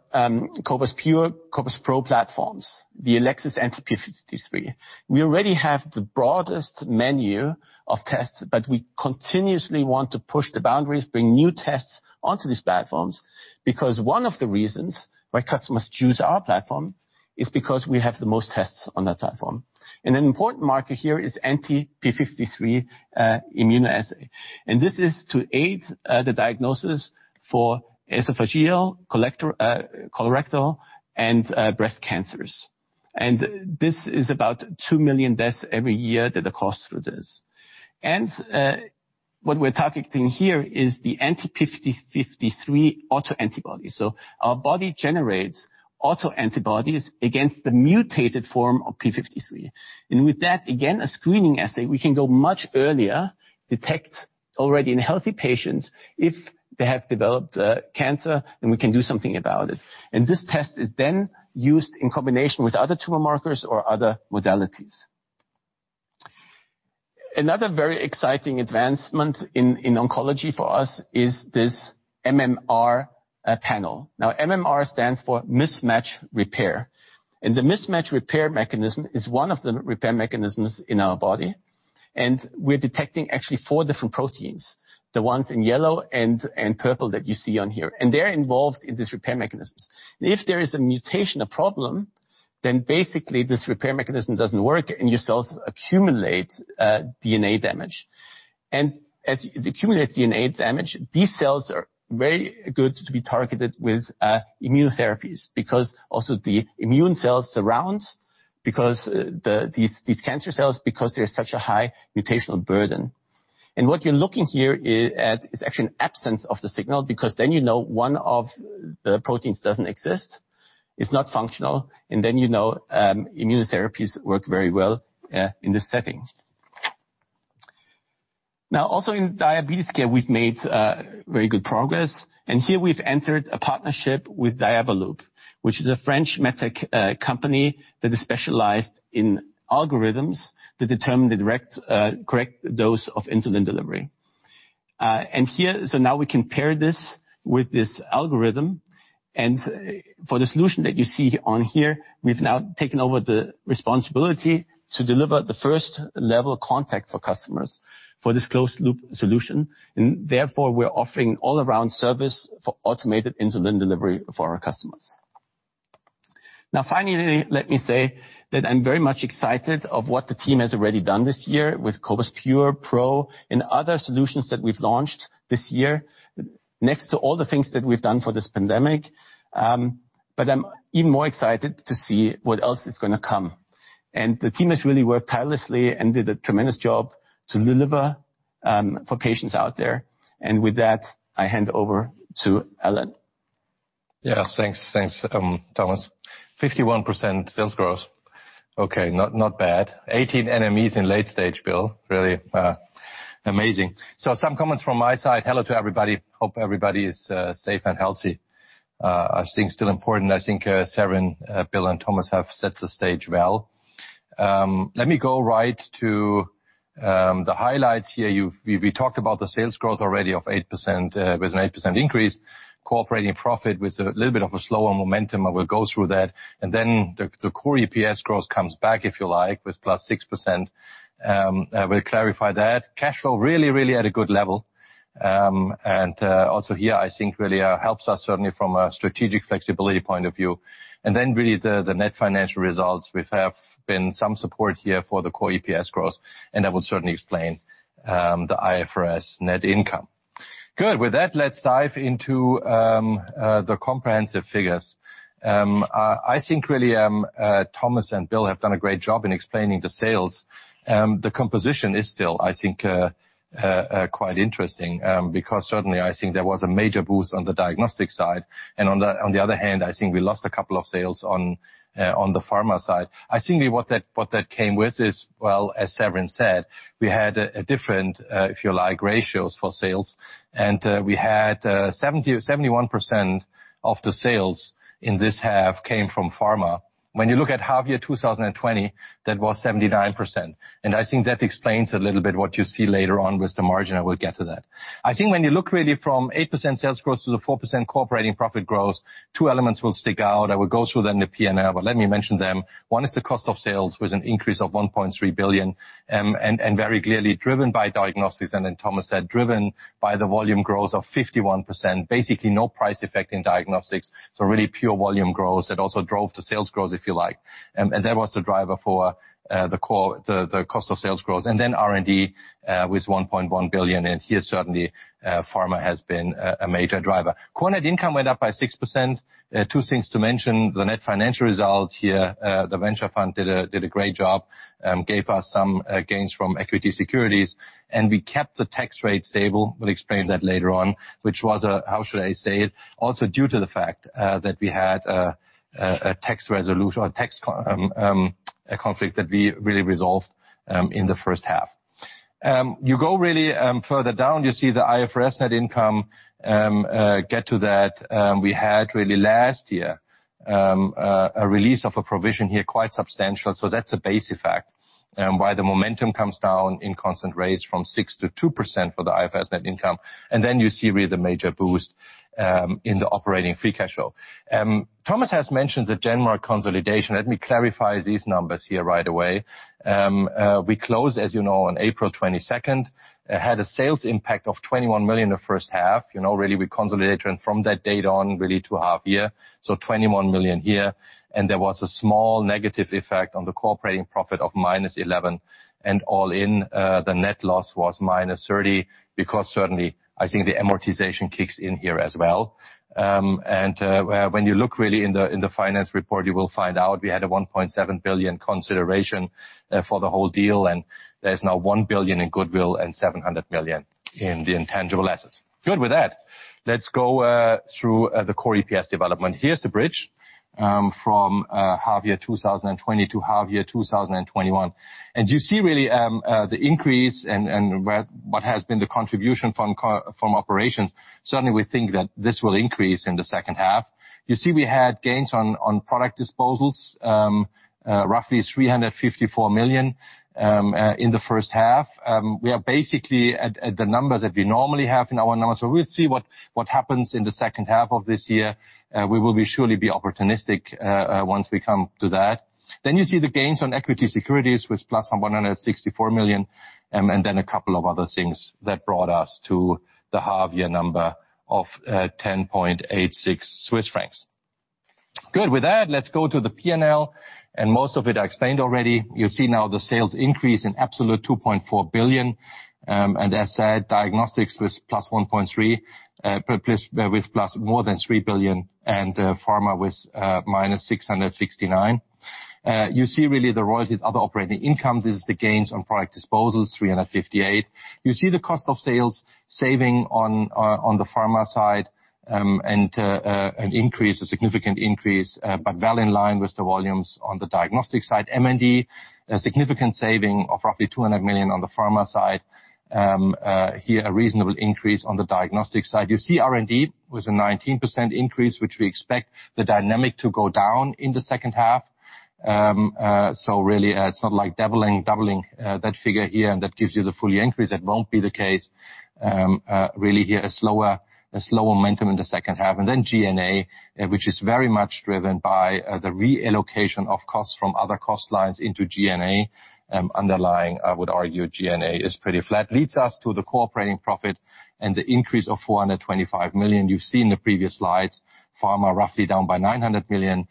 S5: cobas pure, cobas pro platforms, the Elecsys Anti-p53. We already have the broadest menu of tests, but we continuously want to push the boundaries, bring new tests onto these platforms, because one of the reasons why customers choose our platform is because we have the most tests on that platform. An important marker here is Anti-p53 immunoassay. This is to aid the diagnosis for esophageal, colorectal, and breast cancers. This is about two million deaths every year that occur through this. What we're targeting here is the anti-p53 autoantibodies. Our body generates autoantibodies against the mutated form of p53. With that, again, a screening assay, we can go much earlier, detect already in healthy patients if they have developed cancer, then we can do something about it. This test is used in combination with other tumor markers or other modalities. Another very exciting advancement in oncology for us is this MMR panel. MMR stands for mismatch repair, the mismatch repair mechanism is one of the repair mechanisms in our body. We're detecting actually four different proteins, the ones in yellow and purple that you see on here. They're involved in these repair mechanisms. If there is a mutation, a problem, basically this repair mechanism doesn't work and your cells accumulate DNA damage. As it accumulates DNA damage, these cells are very good to be targeted with immunotherapies because also the immune cells surround these cancer cells because there's such a high mutational burden. What you're looking here at is actually an absence of the signal because you know one of the proteins doesn't exist. It's not functional, you know immunotherapies work very well in this setting. Also in diabetes care, we've made very good progress. Here we've entered a partnership with Diabeloop, which is a French medtech company that is specialized in algorithms that determine the correct dose of insulin delivery. Now we can pair this with this algorithm. For the solution that you see on here, we've now taken over the responsibility to deliver the first level of contact for customers for this closed loop solution. Therefore, we're offering all-around service for automated insulin delivery for our customers. Finally, let me say that I'm very much excited of what the team has already done this year with cobas pure, cobas pro, and other solutions that we've launched this year, next to all the things that we've done for this pandemic. I'm even more excited to see what else is going to come. The team has really worked tirelessly and did a tremendous job to deliver for patients out there. With that, I hand over to Alan.
S6: Yeah. Thanks, Thomas. 51% sales growth. Okay, not bad. 18 NMEs in late-stage Bill. Really amazing. Some comments from my side. Hello to everybody. Hope everybody is safe and healthy. I think still important. Severin, Bill, and Thomas have set the stage well. Let me go right to the highlights here. We talked about the sales growth already of 8% with an 8% increase. Core operating profit with a little bit of a slower momentum, and we'll go through that. The core EPS growth comes back, if you like, with +6%. We'll clarify that. Cash flow really at a good level. Also here, I think really helps us certainly from a strategic flexibility point of view. Really the net financial results, we have been some support here for the core EPS growth, and I will certainly explain the IFRS net income. Good. With that, let's dive into the comprehensive figures. I think really Thomas and Bill have done a great job in explaining the sales. The composition is still, I think, quite interesting, because certainly I think there was a major boost on the Diagnostic side. On the other hand, I think we lost a couple of sales on the Pharma side. I think what that came with is, well, as Severin said, we had a different, if you like, ratios for sales. We had 71% of the sales in this half came from Pharma. When you look at half year 2020, that was 79%. I think that explains a little bit what you see later on with the margin. I will get to that. I think when you look really from 8% sales growth to the 4% core operating profit growth, two elements will stick out. I will go through them in the P&L, but let me mention them. One is the cost of sales with an increase of 1.3 billion, very clearly driven by Diagnostics. Thomas said, driven by the volume growth of 51%. Basically no price effect in Diagnostics. Really pure volume growth that also drove the sales growth, if you like. That was the driver for the cost of sales growth. R&D with 1.1 billion. Here, certainly, Pharma has been a major driver. Core net income went up by 6%. Two things to mention, the net financial result here, the venture fund did a great job, gave us some gains from equity securities. We kept the tax rate stable. We'll explain that later on. Due to the fact that we had a tax conflict that we really resolved in the first half. You go really further down, you see the IFRS net income, get to that. We had really last year a release of a provision here, quite substantial. That's a base effect, why the momentum comes down in constant rates from 6%-2% for the IFRS net income. You see really the major boost in the operating free cash flow. Thomas has mentioned the GenMark consolidation. Let me clarify these numbers here right away. We closed, as you know, on April 22nd. Had a sales impact of 21 million the first half. Really, we consolidated from that date on really to half year. 21 million here. There was a small negative effect on the core operating profit of -11 million, all in, the net loss was -30 million, because certainly I think the amortization kicks in here as well. When you look really in the finance report, you will find out we had a 1.7 billion consideration for the whole deal, and there is now 1 billion in goodwill and 700 million in the intangible assets. Good. With that, let's go through the Core EPS development. Here is the bridge from half year 2020 to half year 2021. You see really the increase and what has been the contribution from operations. Certainly, we think that this will increase in the second half. You see, we had gains on product disposals, roughly 354 million in the first half. We are basically at the numbers that we normally have in our numbers. We'll see what happens in the second half of this year. We will surely be opportunistic once we come to that. You see the gains on equity securities with +164 million, and a couple of other things that brought us to the half year number of 10.86 Swiss francs. Good. Let's go to the P&L. Most of it I explained already. You see now the sales increase in absolute 2.4 billion. As said, Diagnostics was +1.3 billion, with more than 3 billion and Pharma with -669 million. You see really the royalties, other operating income. This is the gains on product disposals, 358 million. You see the cost of sales saving on the Pharma side, a significant increase, but well in line with the volumes on the Diagnostic side. M&D, a significant saving of roughly 200 million on the Pharma side. Here, a reasonable increase on the Diagnostic side. You see R&D with a 19% increase, which we expect the dynamic to go down in the second half. Really, it's not like doubling that figure here, and that gives you the full increase. That won't be the case. Really here, a slow momentum in the second half. Then G&A, which is very much driven by the reallocation of costs from other cost lines into G&A. Underlying, I would argue G&A is pretty flat. Leads us to the core operating profit and the increase of 425 million. You've seen the previous slides, Pharma roughly down by 900 million,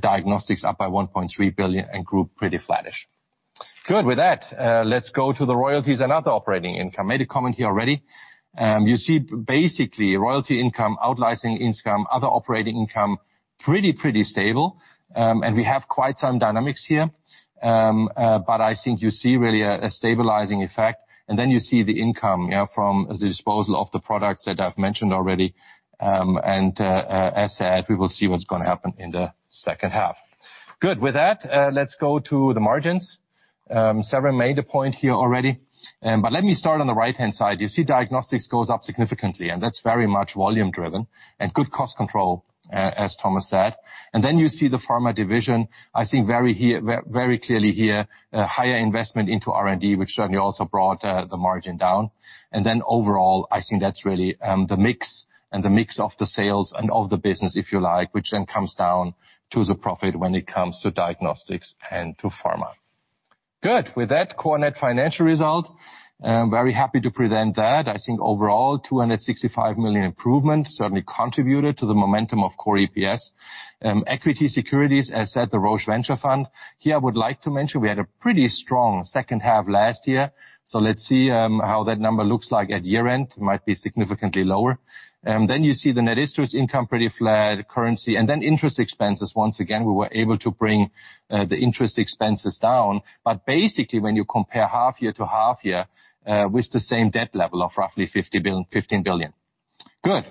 S6: Diagnostics up by 1.3 billion, and group pretty flattish. Good. With that, let's go to the royalties and other operating income. Made a comment here already. You see basically royalty income, out-licensing income, other operating income, pretty stable. We have quite some dynamics here. I think you see really a stabilizing effect, and then you see the income from the disposal of the products that I've mentioned already. As said, we will see what's going to happen in the second half. Good. With that, let's go to the margins. Several major point here already. Let me start on the right-hand side. You see Diagnostics goes up significantly, and that's very much volume driven and good cost control, as Thomas said. You see the Pharma division, I think very clearly here, higher investment into R&D, which certainly also brought the margin down. Overall, I think that's really the mix and the mix of the sales and of the business, if you like, which then comes down to the profit when it comes to Diagnostics and to Pharma. Good. Core net financial result. Very happy to present that. Overall, 265 million improvement certainly contributed to the momentum of core EPS. Equity securities, as said, the Roche Venture Fund. Here, I would like to mention we had a pretty strong second half last year. Let's see how that number looks like at year-end. Might be significantly lower. You see the net interest income, pretty flat currency. Interest expenses, once again, we were able to bring the interest expenses down. Basically, when you compare half year to half year with the same debt level of roughly 15 billion. Good.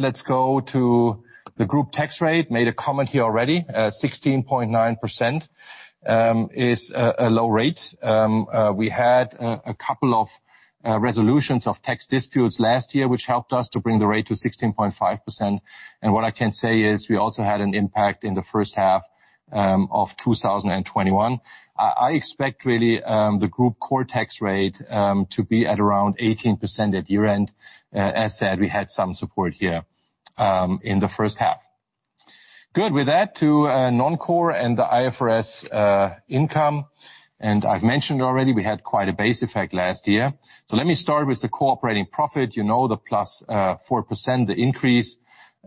S6: Let's go to the group tax rate. Made a comment here already. 16.9% is a low rate. We had a couple of resolutions of tax disputes last year, which helped us to bring the rate to 16.5%. `What I can say is we also had an impact in the first half of 2021. I expect really the group core tax rate to be at around 18% at year-end. As said, we had some support here in the first half. Good. With that, to non-core and the IFRS income. I've mentioned already, we had quite a base effect last year. Let me start with the core operating profit. You know the +4%, the increase.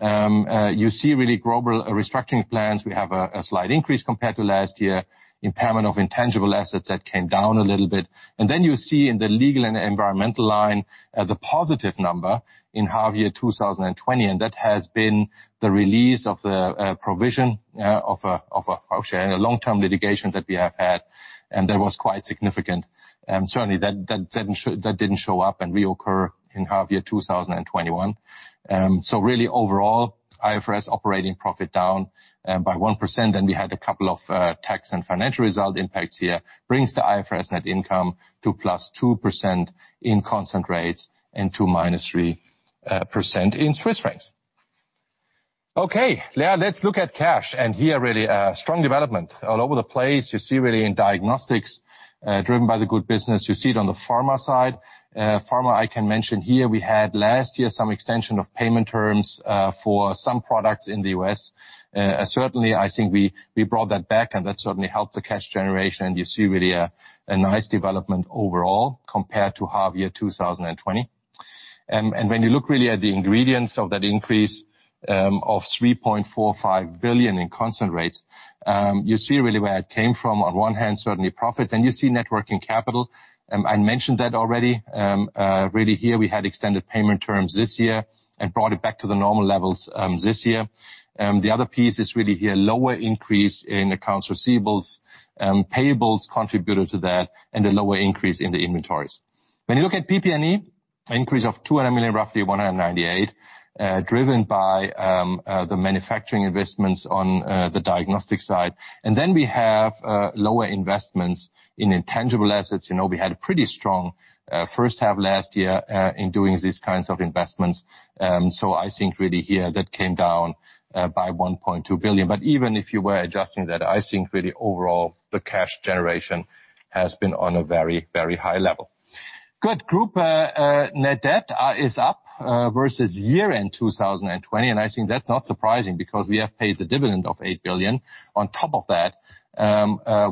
S6: You see really global restructuring plans. We have a slight increase compared to last year. Impairment of intangible assets, that came down a little bit. Then you see in the legal and environmental line, the positive number in half year 2020, and that has been the release of the provision of a long-term litigation that we have had. That was quite significant. That didn't show up and reoccur in half year 2021. Overall, IFRS operating profit down by 1%, and we had a couple of tax and financial result impacts here, brings the IFRS net income to +2% in constant rates and to -3% interest rate. Let's look at cash. Here, really strong development all over the place. You see really in Diagnostics, driven by the good business. You see it on the Pharma side. Pharma, I can mention here, we had last year some extension of payment terms for some products in the U.S. I think we brought that back, and that certainly helped the cash generation. You see really a nice development overall compared to half year 2020. When you look really at the ingredients of that increase of 3.45 billion in constant rates, you see really where it came from. On one hand, certainly profits. You see net working capital. I mentioned that already. Really here, we had extended payment terms this year and brought it back to the normal levels this year. The other piece is really here, lower increase in accounts receivables. Payables contributed to that and a lower increase in the inventories. When you look at PP&E, an increase of 200 million, roughly 198 million, driven by the manufacturing investments on the Diagnostic side. We have lower investments in intangible assets. We had a pretty strong first half last year in doing these kinds of investments. I think really here that came down by 1.2 billion. Even if you were adjusting that, I think really overall, the cash generation has been on a very, very high level. Good. Group net debt is up versus year-end 2020, I think that's not surprising because we have paid the dividend of 8 billion. On top of that,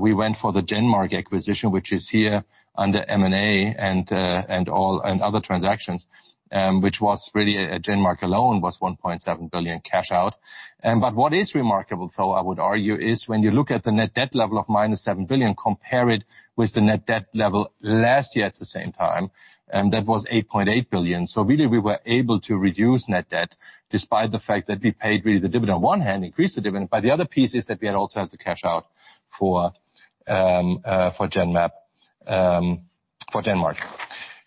S6: we went for the GenMark acquisition, which is here under M&A and other transactions, which was really, GenMark alone was 1.7 billion cash out. What is remarkable though, I would argue, is when you look at the net debt level of -7 billion, compare it with the net debt level last year at the same time, that was 8.8 billion. Really we were able to reduce net debt despite the fact that we paid really the dividend. One hand increased the dividend, the other piece is that we had also had the cash out for GenMark.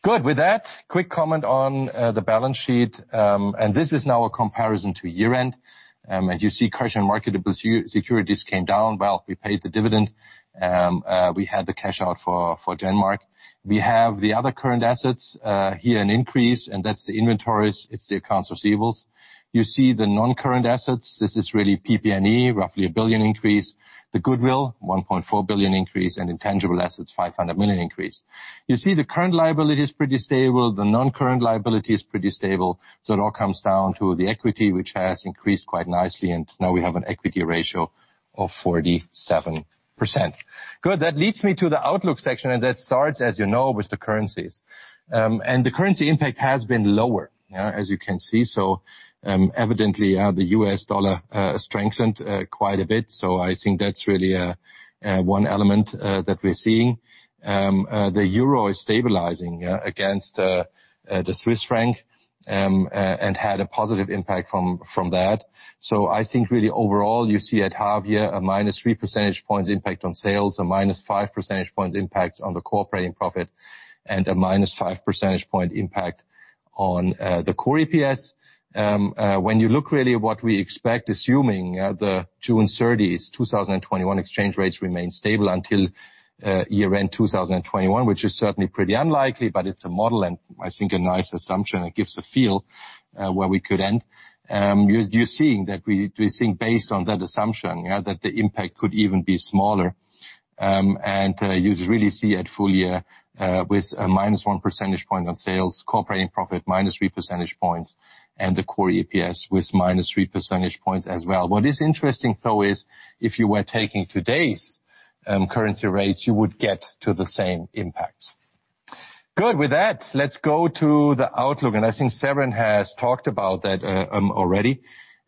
S6: Good. With that, quick comment on the balance sheet, this is now a comparison to year end. You see cash and marketable securities came down. Well, we paid the dividend. We had the cash out for GenMark. We have the other current assets, here an increase, and that's the inventories, it's the accounts receivables. You see the non-current assets. This is really PP&E, roughly a 1 billion increase. The goodwill, 1.4 billion increase, and intangible assets, 500 million increase. You see the current liability is pretty stable. The non-current liability is pretty stable. It all comes down to the equity, which has increased quite nicely, and now we have an equity ratio of 47%. Good. That leads me to the outlook section, and that starts, as you know, with the currencies. The currency impact has been lower, as you can see. Evidently, the US dollar strengthened quite a bit. I think that's really one element that we're seeing. The euro is stabilizing against the Swiss franc, and had a positive impact from that. I think really overall, you see at half year a -3 percentage points impact on sales, a -5 percentage points impact on the core operating profit, and a -5 percentage point impact on the Core EPS. When you look really at what we expect, assuming the June 30th, 2021 exchange rates remain stable until year-end 2021, which is certainly pretty unlikely, but it's a model and I think a nice assumption. It gives a feel where we could end. You're seeing that we think based on that assumption, that the impact could even be smaller. You just really see at full year, with a -1 percentage point on sales, core operating profit -3 percentage points, and the Core EPS with -3 percentage points as well. What is interesting though is if you were taking today's currency rates, you would get to the same impact. Good. With that, let's go to the outlook, I think Severin has talked about that already.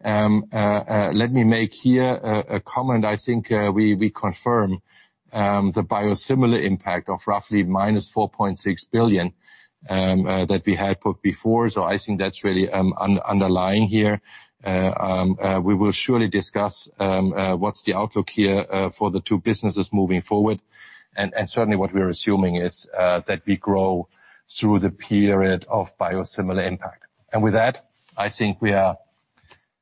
S6: Let me make here a comment. I think we confirm the biosimilar impact of roughly -4.6 billion that we had put before. I think that's really underlying here. We will surely discuss what's the outlook here for the two businesses moving forward, and certainly what we are assuming is that we grow through the period of biosimilar impact. With that, I think we are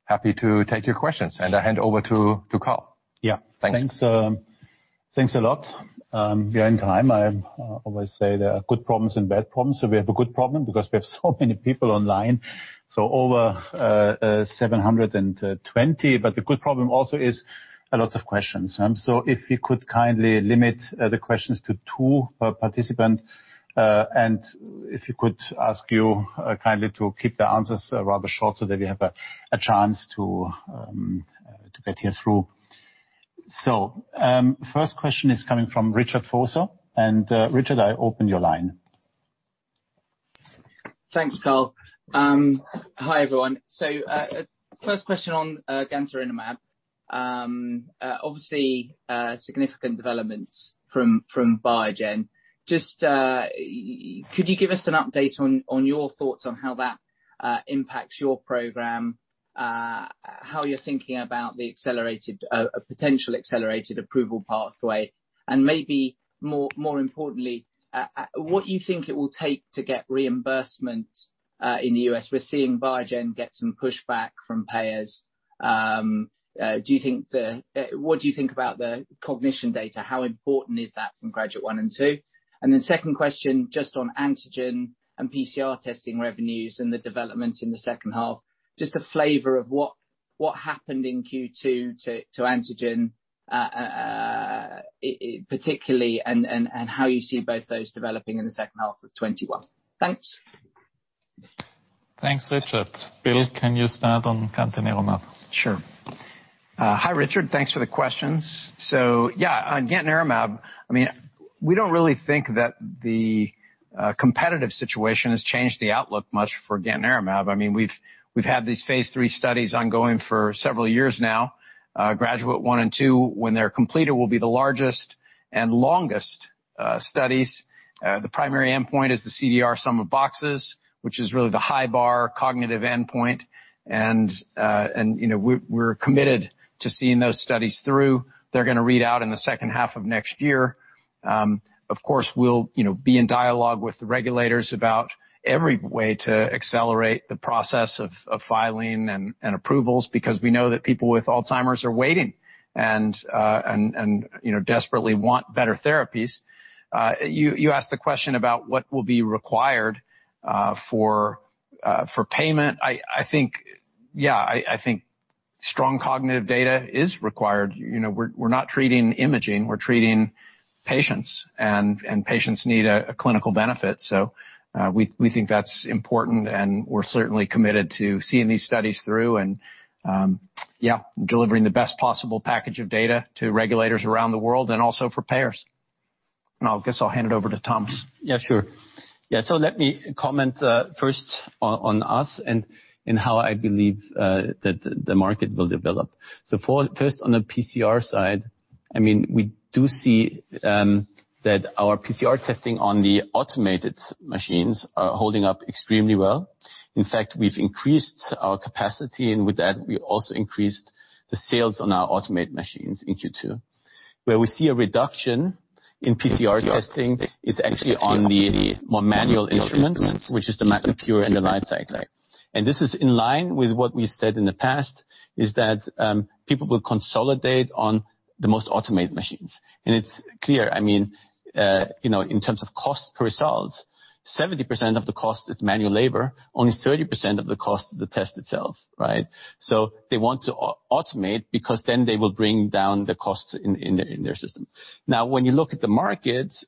S6: happy to take your questions, I hand over to Karl.
S2: Yeah.
S6: Thanks.
S2: Thanks a lot. We are on time. I always say there are good problems and bad problems. We have a good problem because we have so many people online, over 720. The good problem also is a lot of questions. If you could kindly limit the questions to two per participant, and if you could ask you kindly to keep the answers rather short so that we have a chance to get you through. First question is coming from Richard Vosser. Richard, I open your line.
S7: Thanks, Karl. Hi, everyone. First question on gantenerumab. Obviously, significant developments from Biogen. Could you give us an update on your thoughts on how that impacts your program? How you're thinking about the potential accelerated approval pathway, and maybe more importantly, what you think it will take to get reimbursement in the U.S.? We're seeing Biogen get some pushback from payers. What do you think about the cognition data? How important is that from GRADUATE I and II? Second question on antigen and PCR testing revenues and the developments in the second half. A flavor of what happened in Q2 to antigen particularly, and how you see both those developing in the second half of 2021. Thanks.
S2: Thanks, Richard. Bill, can you start on gantenerumab?
S4: Sure. Hi Richard. Thanks for the questions. Yeah, on gantenerumab, we don't really think that the competitive situation has changed the outlook much for donanemab. We've had these phase III studies ongoing for several years now. GRADUATE I and II, when they're completed, will be the largest and longest studies. The primary endpoint is the CDR sum of boxes, which is really the high bar cognitive endpoint. We're committed to seeing those studies through. They're going to read out in the second half of next year. Of course, we'll be in dialogue with the regulators about every way to accelerate the process of filing and approvals, because we know that people with Alzheimer's are waiting and desperately want better therapies. You asked the question about what will be required for payment. I think strong cognitive data is required. We're not treating imaging, we're treating patients. Patients need a clinical benefit. We think that's important. We're certainly committed to seeing these studies through and delivering the best possible package of data to regulators around the world and also for payers. I'll guess I'll hand it over to Thomas.
S5: Yeah, sure. Let me comment first on us and how I believe that the market will develop. First, on the PCR side, we do see that our PCR testing on the automated machines are holding up extremely well. In fact, we've increased our capacity, and with that, we also increased the sales on our automated machines in Q2. Where we see a reduction in PCR testing is actually on the more manual instruments, which is the MagNA Pure and the LightCycler. This is in line with what we said in the past, is that people will consolidate on the most automated machines. It's clear, in terms of cost per results, 70% of the cost is manual labor. Only 30% of the cost is the test itself. They want to automate, because then they will bring down the costs in their system. Now, when you look at the markets,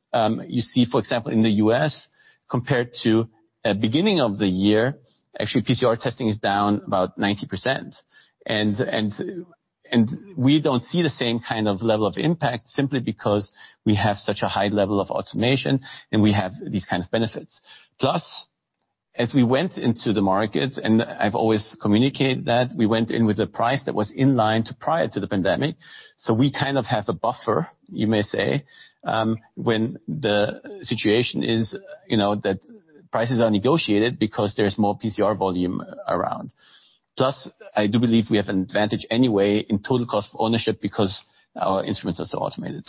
S5: you see, for example, in the U.S. compared to beginning of the year, actually, PCR testing is down about 90%. We don't see the same kind of level of impact simply because we have such a high level of automation, and we have these kind of benefits. Plus, as we went into the market, and I've always communicated that, we went in with a price that was in line to prior to the pandemic. We kind of have a buffer, you may say, when the situation is that prices are negotiated because there is more PCR volume around. Plus, I do believe we have an advantage anyway in total cost of ownership because our instruments are so automated.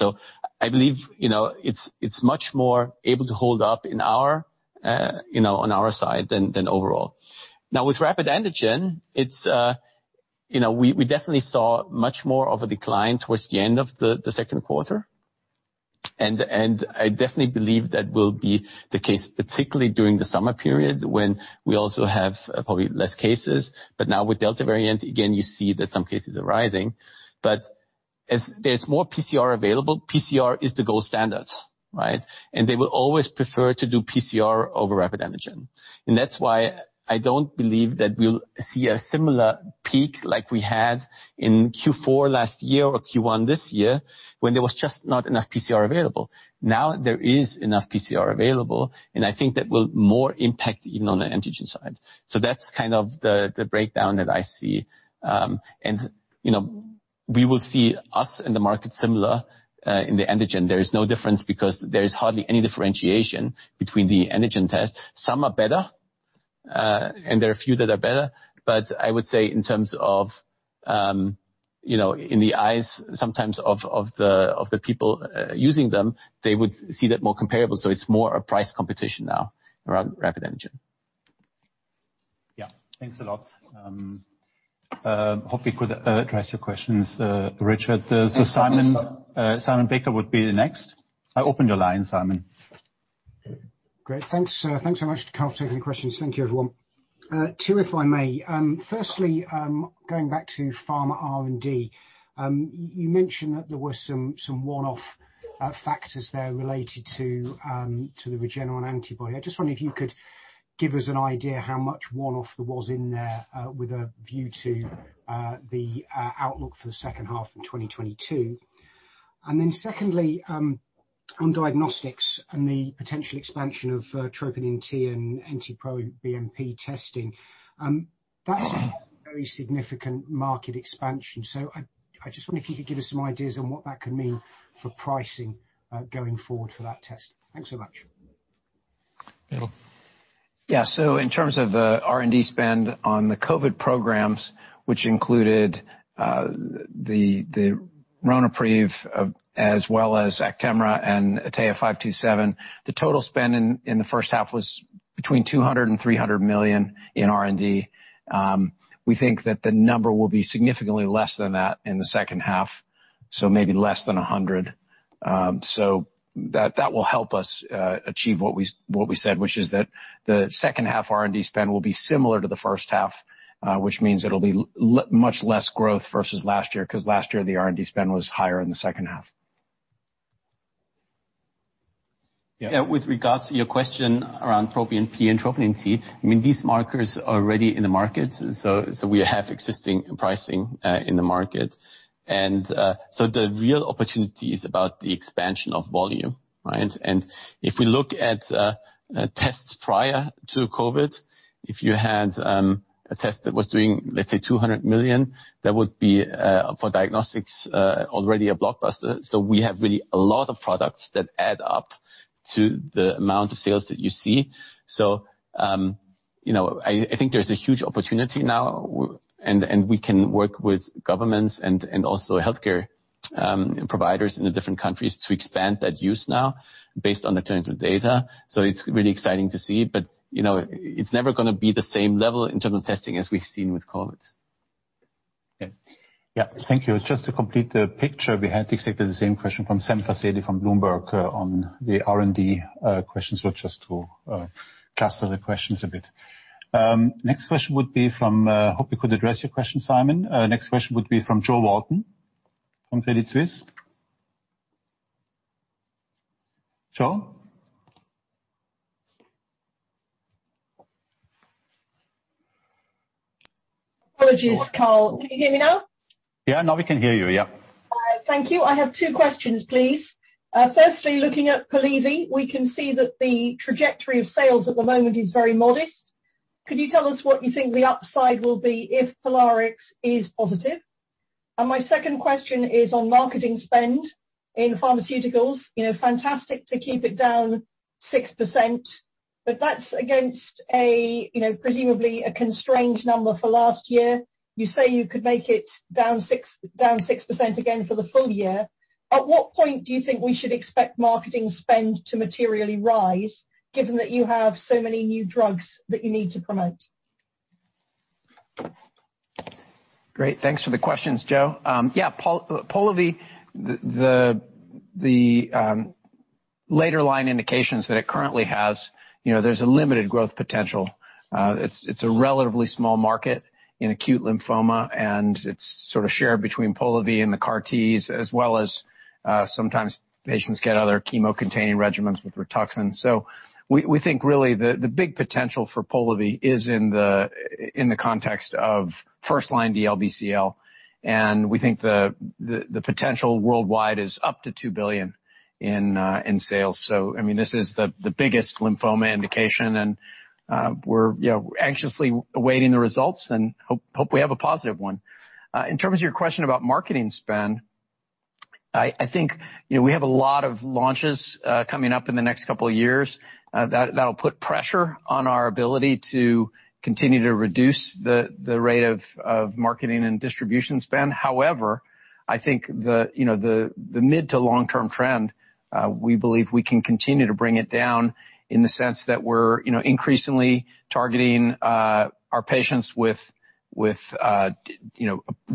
S5: I believe it's much more able to hold up on our side than overall. Now, with rapid antigen, we definitely saw much more of a decline towards the end of the second quarter. I definitely believe that will be the case, particularly during the summer period, when we also have probably less cases. Now with Delta variant, again, you see that some cases are rising. As there's more PCR available, PCR is the gold standard. They will always prefer to do PCR over rapid antigen. That's why I don't believe that we'll see a similar peak like we had in Q4 last year or Q1 this year when there was just not enough PCR available. Now there is enough PCR available, and I think that will more impact even on the antigen side. That's kind of the breakdown that I see. We will see us and the market similar in the antigen. There is no difference because there is hardly any differentiation between the antigen tests. Some are better, and there are a few that are better, but I would say in terms of in the eyes sometimes of the people using them, they would see that more comparable. It's more a price competition now around rapid antigen.
S2: Yeah. Thanks a lot. Hope we could address your questions, Richard. Simon Baker would be the next. I opened your line, Simon.
S8: Great. Thanks so much, Karl, for taking the questions. Thank you, everyone. Two, if I may. Firstly, going back to Pharma R&D. You mentioned that there were some one-off factors there related to the Regeneron antibody. I just wonder if you could give us an idea how much one-off there was in there with a view to the outlook for the second half in 2022. Secondly, on Diagnostics and the potential expansion of troponin T and NT-proBNP testing. That is a very significant market expansion. I just wonder if you could give us some ideas on what that could mean for pricing going forward for that test. Thanks so much.
S2: Bill?
S4: In terms of R&D spend on the COVID programs, which included Ronapreve as well as Actemra and AT-527, the total spend in the first half was between 200 million-300 million in R&D. We think that the number will be significantly less than that in the second half, maybe less than 100 million. That will help us achieve what we said, which is that the second half R&D spend will be similar to the first half, which means it'll be much less growth versus last year, because last year, the R&D spend was higher in the second half. With regards to your question around troponin I and troponin T, these markers are already in the market. We have existing pricing in the market. The real opportunity is about the expansion of volume.
S5: If we look at tests prior to COVID, if you had a test that was doing, let's say, 200 million, that would be, for Diagnostics, already a blockbuster. We have really a lot of products that add up to the amount of sales that you see. I think there's a huge opportunity now, and we can work with governments and also healthcare providers in the different countries to expand that use now based on the clinical data. It's really exciting to see, but it's never going to be the same level in terms of testing as we've seen with COVID.
S2: Yeah. Thank you. Just to complete the picture, we had exactly the same question from Sam Fazeli from Bloomberg on the R&D questions. Just to cluster the questions a bit. Hope we could address your question, Simon. Next question would be from Jo Walton from Credit Suisse. Jo?
S9: Apologies, Karl. Can you hear me now?
S2: Yeah. Now we can hear you. Yeah.
S9: Thank you. I have two questions, please. Firstly, looking at Polivy, we can see that the trajectory of sales at the moment is very modest. Could you tell us what you think the upside will be if POLARIX is positive? My second question is on marketing spend in pharmaceuticals. Fantastic to keep it down 6%, but that's against presumably a constrained number for last year. You say you could make it down 6% again for the full year. At what point do you think we should expect marketing spend to materially rise, given that you have so many new drugs that you need to promote?
S4: Great. Thanks for the questions, Jo. Polivy, the later line indications that it currently has, there's a limited growth potential. It's a relatively small market in acute lymphoma, it's sort of shared between Polivy and the CAR Ts, as well as, sometimes patients get other chemo-containing regimens with Rituxan. We think really the big potential for Polivy is in the context of first-line DLBCL, we think the potential worldwide is up to 2 billion in sales. This is the biggest lymphoma indication, we're anxiously awaiting the results and hope we have a positive one. In terms of your question about marketing spend, I think we have a lot of launches coming up in the next couple of years that'll put pressure on our ability to continue to reduce the rate of marketing and distribution spend. I think the mid- to long-term trend, we believe we can continue to bring it down in the sense that we're increasingly targeting our patients with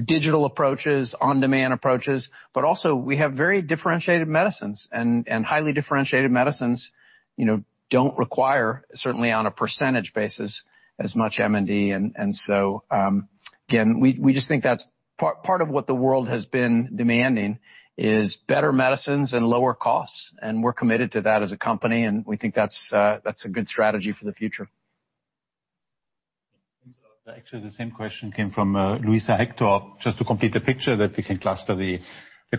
S4: digital approaches, on-demand approaches, but also we have very differentiated medicines. Highly differentiated medicines don't require, certainly, on a precentage basis, as much M&D. Again, we just think that's part of what the world has been demanding is better medicines and lower costs, and we're committed to that as a company, and we think that's a good strategy for the future.
S2: Thanks. Actually, the same question came from Luisa Hector. Just to complete the picture that we can cluster the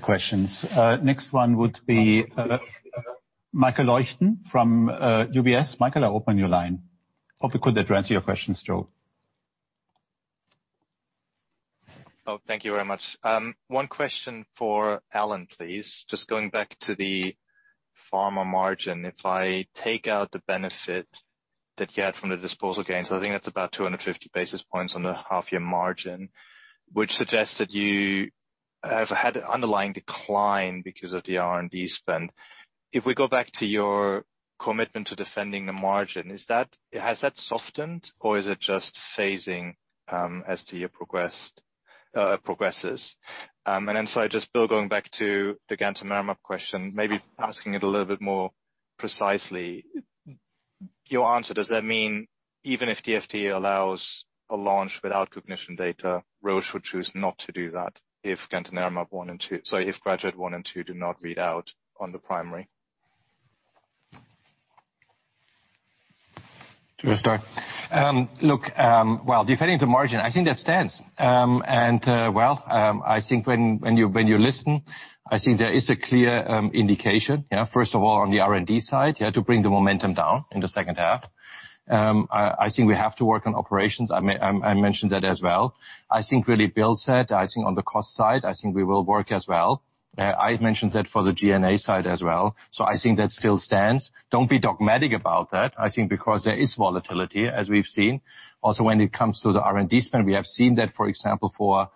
S2: questions. Next one would be Michael Leuchten from UBS. Michael, I open your line. Hope we could address your questions, Jo.
S10: Oh, thank you very much. One question for Alan, please. Just going back to the Pharma margin. If I take out the benefit that you had from the disposal gains, I think that's about 250 basis points on the half-year margin, which suggests that you have had an underlying decline because of the R&D spend. If we go back to your commitment to defending the margin, has that softened, or is it just phasing as the year progresses? Then, sorry, just Bill, going back to the gantenerumab question, maybe asking it a little bit more precisely. Your answer, does that mean even if the FDA allows a launch without cognition data, Roche would choose not to do that if gantenerumab one and two, sorry, if GRADUATE I and II do not read out on the primary?
S6: Do you want to start? Look, well, defending the margin, I think that stands. Well, I think when you listen, I think there is a clear indication, first of all, on the R&D side, to bring the momentum down in the second half. I think we have to work on operations. I mentioned that as well. I think really Bill said, I think on the cost side, I think we will work as well. I mentioned that for the G&A side as well. I think that still stands. Don't be dogmatic about that. I think because there is volatility as we've seen. Also, when it comes to the R&D spend, we have seen that, for example, for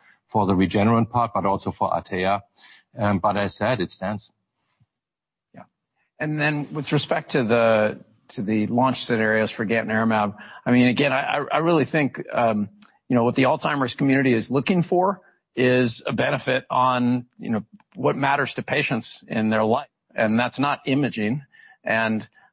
S6: the Regeneron part, but also for Atea. As I said, it stands.
S4: Yeah. Then with respect to the launch scenarios for gantenerumab, again, I really think, what the Alzheimer's community is looking for is a benefit on what matters to patients in their life, and that's not imaging.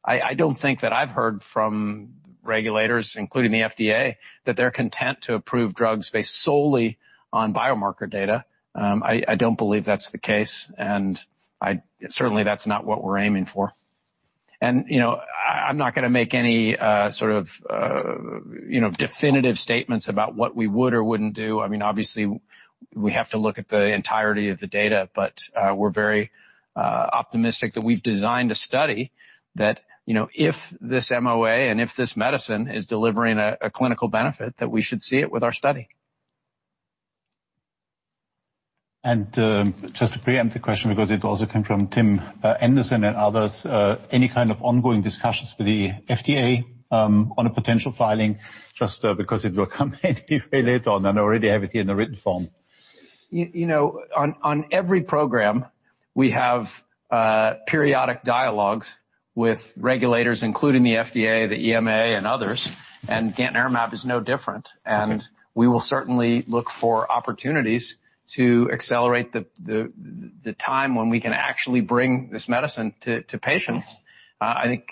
S4: I don't think that I've heard from regulators, including the FDA, that they're content to approve drugs based solely on biomarker data. I don't believe that's the case, and certainly that's not what we're aiming for. I'm not going to make any sort of definitive statements about what we would or wouldn't do. Obviously, we have to look at the entirety of the data, but we're very optimistic that we've designed a study that, if this MOA and if this medicine is delivering a clinical benefit, that we should see it with our study.
S2: Just to preempt the question, because it also came from Tim Anderson and others, any kind of ongoing discussions with the FDA on a potential filing, just because it will come anyway later on, and I already have it here in the written form.
S4: On every program, we have periodic dialogues with regulators, including the FDA, the EMA, and others. Gantenerumab is no different.
S2: Okay.
S4: We will certainly look for opportunities to accelerate the time when we can actually bring this medicine to patients. I think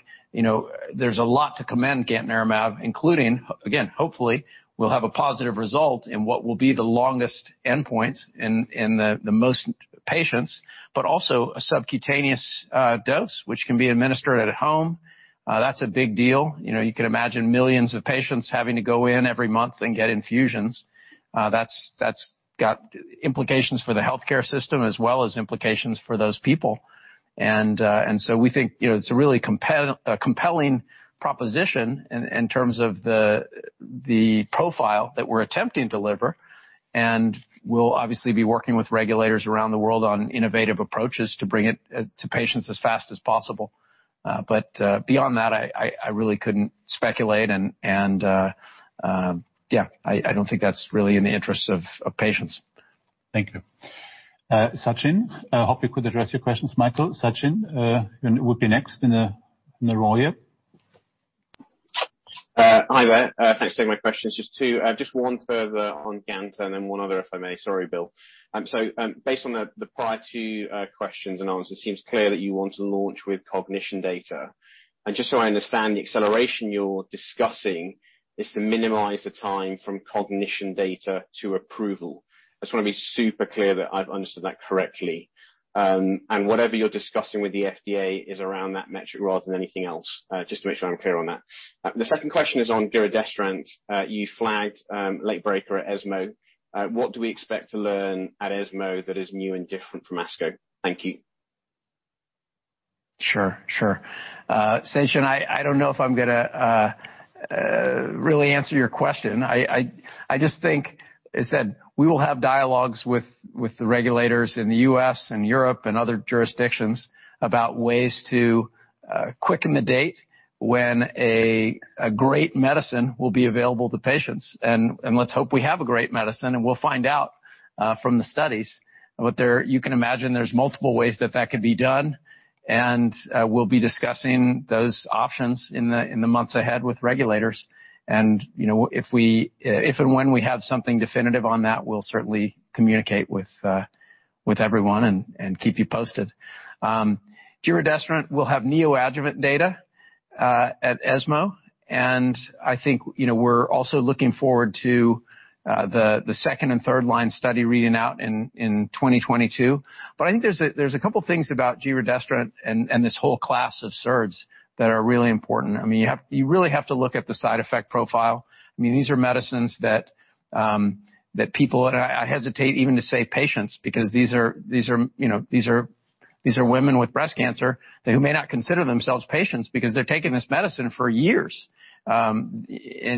S4: there's a lot to commend gantenerumab, including, again, hopefully, we'll have a positive result in what will be the longest endpoints in the most patients, but also a subcutaneous dose, which can be administered at home. That's a big deal. You can imagine millions of patients having to go in every month and get infusions. That's got implications for the healthcare system as well as implications for those people. We think it's a really compelling proposition in terms of the profile that we're attempting to deliver, and we'll obviously be working with regulators around the world on innovative approaches to bring it to patients as fast as possible. Beyond that, I really couldn't speculate. Yeah, I don't think that's really in the interest of patients.
S2: Thank you. Sachin. Hope we could address your questions, Michael. Sachin, you will be next in the queue.
S11: Hi there. Thanks for taking my questions. Just two. Just one further on gantenerumab, and then one other, if I may. Sorry, Bill. Based on the prior two questions and answers, it seems clear that you want to launch with cognition data. Just so I understand, the acceleration you're discussing is to minimize the time from cognition data to approval. I just want to be super clear that I've understood that correctly. Whatever you're discussing with the FDA is around that metric rather than anything else, just to make sure I'm clear on that. The second question is on giredestrant. You flagged late breaker at ESMO. What do we expect to learn at ESMO that is new and different from ASCO? Thank you.
S4: Sure. Sachin, I don't know if I'm going to really answer your question. I just think, as I said, we will have dialogues with the regulators in the U.S. and Europe and other jurisdictions about ways to quicken the date when a great medicine will be available to patients. Let's hope we have a great medicine, and we'll find out from the studies. You can imagine there's multiple ways that that could be done, and we'll be discussing those options in the months ahead with regulators. If and when we have something definitive on that, we'll certainly communicate with everyone and keep you posted. Giredestrant will have neoadjuvant data at ESMO, and I think we're also looking forward to the second and third-line study reading out in 2022. I think there's a couple things about giredestrant and this whole class of SERDs that are really important. You really have to look at the side effect profile. These are medicines that people, and I hesitate even to say patients, because these are women with breast cancer who may not consider themselves patients because they're taking this medicine for years, in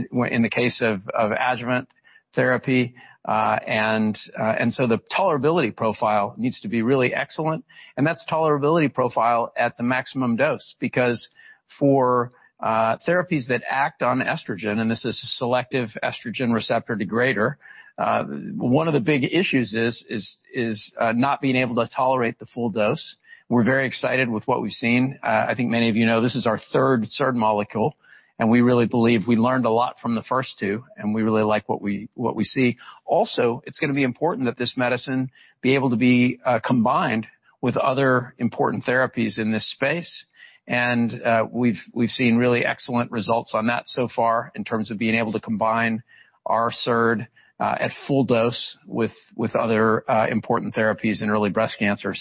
S4: the case of adjuvant therapy. The tolerability profile needs to be really excellent, and that's tolerability profile at the maximum dose. Because for therapies that act on estrogen, and this is a selective estrogen receptor degrader, one of the big issues is not being able to tolerate the full dose. We're very excited with what we've seen. I think many of you know this is our third SERD molecule, and we really believe we learned a lot from the first two, and we really like what we see. It's going to be important that this medicine be able to be combined with other important therapies in this space. We've seen really excellent results on that so far in terms of being able to combine our SERD at full dose with other important therapies in early breast cancer.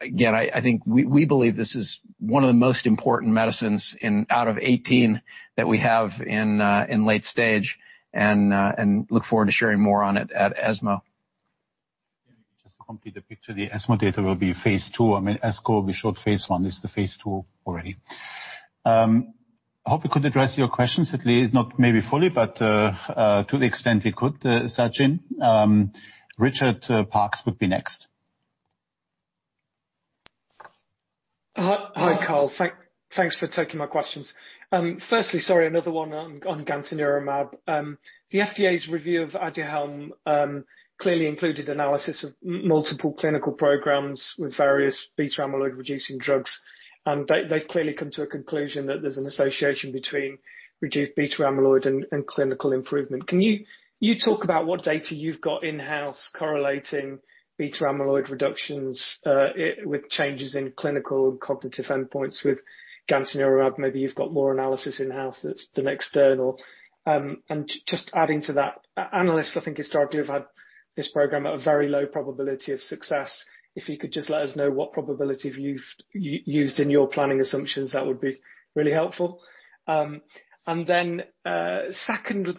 S4: Again, I think we believe this is one of the most important medicines out of 18 that we have in late stage, and look forward to sharing more on it at ESMO.
S2: Let me just complete the picture. The ESMO data will be phase II. ASCO will be showed phase I. This is the phase II already. I hope we could address your questions, at least not maybe fully, but to the extent we could, Sachin. Richard Parkes would be next.
S12: Hi, Karl. Thanks for taking my questions. Firstly, sorry, another one on gantenerumab. The FDA's review of Aduhelm clearly included analysis of multiple clinical programs with various beta amyloid-reducing drugs. They've clearly come to a conclusion that there's an association between reduced beta amyloid and clinical improvement. Can you talk about what data you've got in-house correlating beta amyloid reductions with changes in clinical and cognitive endpoints with gantenerumab? Maybe you've got more analysis in-house than external. Just adding to that, analysts, I think, historically have had this program at a very low probability of success. If you could just let us know what probability you've used in your planning assumptions, that would be really helpful. Second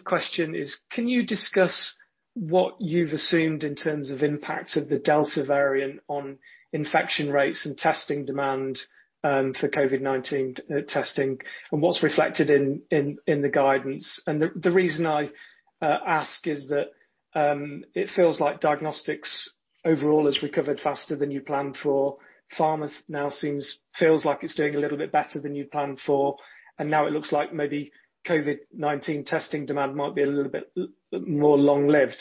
S12: question is, can you discuss what you've assumed in terms of impact of the Delta variant on infection rates and testing demand for COVID-19 testing, and what's reflected in the guidance? The reason I ask is that it feels like Diagnostics overall has recovered faster than you planned for. Pharma now feels like it's doing a little bit better than you planned for, and now it looks like maybe COVID-19 testing demand might be a little bit more long-lived.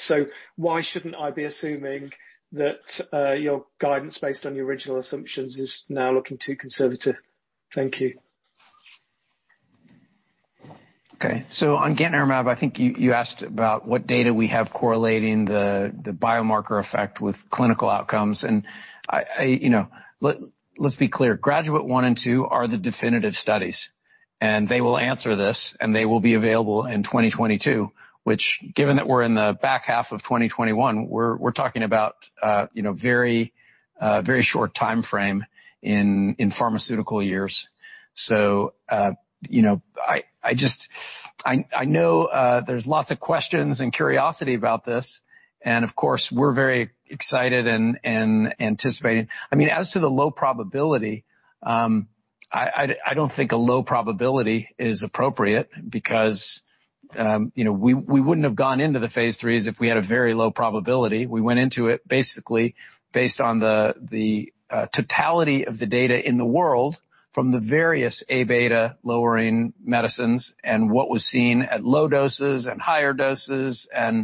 S12: Why shouldn't I be assuming that your guidance based on your original assumptions is now looking too conservative? Thank you.
S4: Okay. On gantenerumab, I think you asked about what data we have correlating the biomarker effect with clinical outcomes, and let's be clear, GRADUATE I and II are the definitive studies, and they will answer this, and they will be available in 2022, which, given that we're in the back half of 2021, we're talking about very short timeframe in pharmaceutical years. I know there's lots of questions and curiosity about this, and of course, we're very excited and anticipating. As to the low probability, I don't think a low probability is appropriate because we wouldn't have gone into the phase III if we had a very low probability. We went into it basically based on the totality of the data in the world from the various Aβ lowering medicines and what was seen at low doses and higher doses, and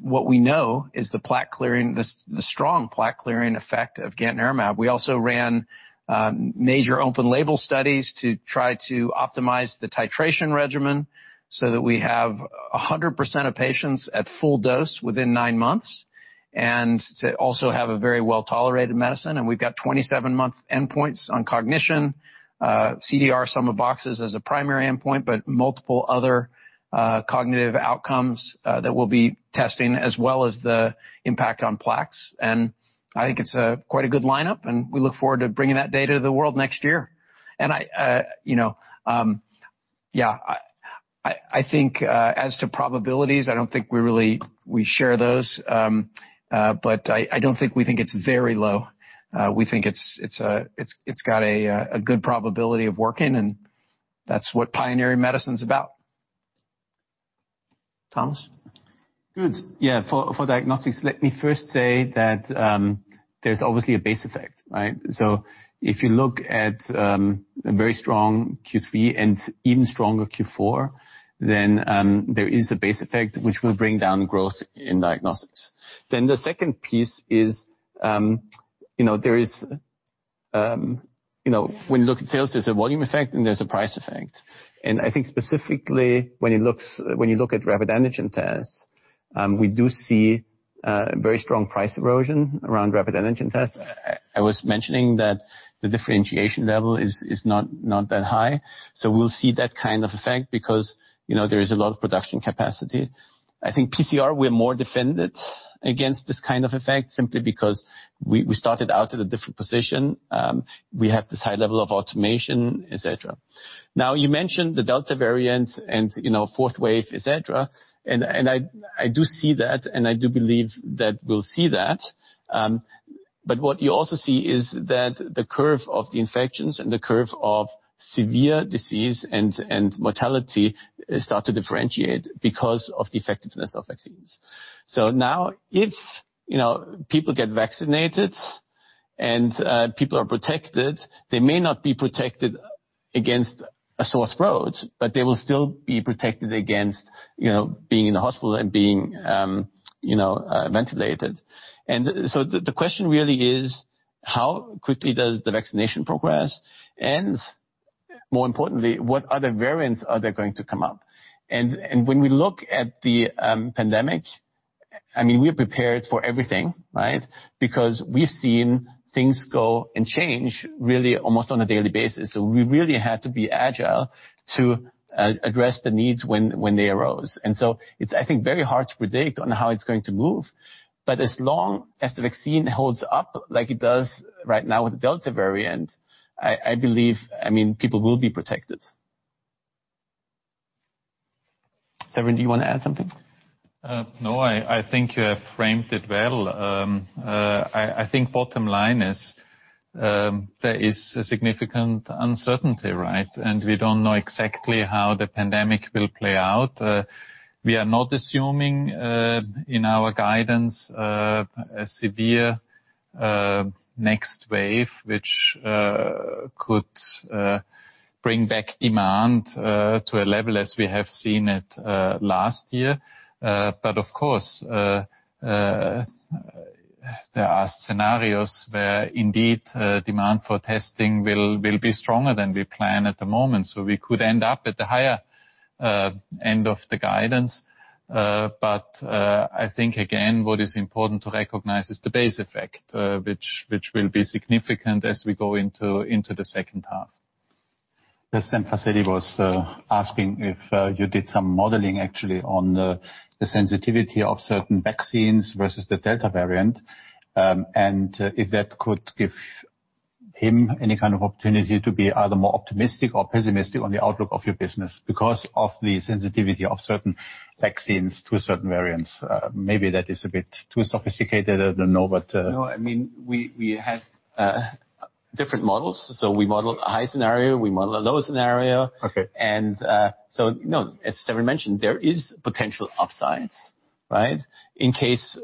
S4: what we know is the strong plaque-clearing effect of gantenerumab. We also ran major open label studies to try to optimize the titration regimen so that we have 100% of patients at full dose within nine months, and to also have a very well-tolerated medicine. We've got 27-month endpoints on cognition, CDR sum of boxes as a primary endpoint, but multiple other cognitive outcomes that we'll be testing, as well as the impact on plaques. I think it's quite a good lineup, and we look forward to bringing that data to the world next year. I think as to probabilities, I don't think we really share those. I don't think we think it's very low. We think it's got a good probability of working. That's what pioneering medicine is about. Thomas?
S5: Good. Yeah. For Diagnostics, let me first say that there's obviously a base effect, right? If you look at a very strong Q3 and even stronger Q4, then there is a base effect which will bring down growth in Diagnostics. The second piece is when you look at sales, there's a volume effect and there's a price effect. I think specifically when you look at rapid antigen tests, we do see very strong price erosion around rapid antigen tests. I was mentioning that the differentiation level is not that high. We'll see that kind of effect because there is a lot of production capacity. I think PCR, we are more defended against this kind of effect simply because we started out at a different position. We have this high level of automation, et cetera. Now, you mentioned the Delta variant, and fourth wave, et cetera, and I do see that, and I do believe that we'll see that. What you also see is that the curve of the infections and the curve of severe disease and mortality start to differentiate because of the effectiveness of vaccines. Now, if people get vaccinated and people are protected, they may not be protected against a sore throat, but they will still be protected against being in the hospital and being ventilated. The question really is, how quickly does the vaccination progress? More importantly, what other variants are there going to come up? When we look at the pandemic, we are prepared for everything, right? Because we've seen things go and change really almost on a daily basis. We really had to be agile to address the needs when they arose. It's, I think, very hard to predict on how it's going to move. As long as the vaccine holds up like it does right now with the Delta variant, I believe people will be protected. Severin, do you want to add something?
S3: No, I think you have framed it well. I think bottom line is, there is a significant uncertainty, right? We don't know exactly how the pandemic will play out. We are not assuming, in our guidance, a severe A next wave which could bring back demand to a level as we have seen it last year. Of course, there are scenarios where indeed, demand for testing will be stronger than we plan at the moment, so we could end up at the higher end of the guidance. I think, again, what is important to recognize is the base effect which will be significant as we go into the second half.
S2: Yes. Sam Fazeli was asking if you did some modeling actually on the sensitivity of certain vaccines versus the Delta variant, and if that could give him any kind of opportunity to be either more optimistic or pessimistic on the outlook of your business because of the sensitivity of certain vaccines to certain variants. Maybe that is a bit too sophisticated, I don't know.
S5: No, we have different models. We model a high scenario, we model a low scenario.
S2: Okay.
S5: No, as Severin mentioned, there is potential upsides, right? In case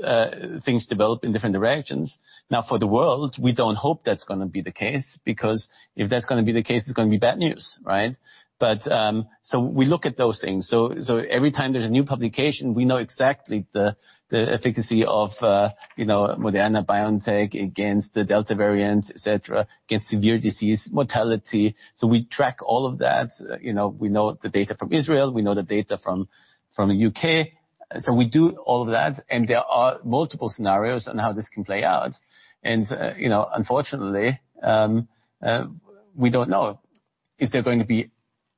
S5: things develop in different directions. Now, for the world, we don't hope that's going to be the case, because if that's going to be the case, it's going to be bad news, right? We look at those things. Every time there's a new publication, we know exactly the efficacy of Moderna, BioNTech against the Delta variant, et cetera, against severe disease, mortality. We track all of that. We know the data from Israel, we know the data from the U.K., so we do all of that, and there are multiple scenarios on how this can play out. Unfortunately, we don't know. Is there going to be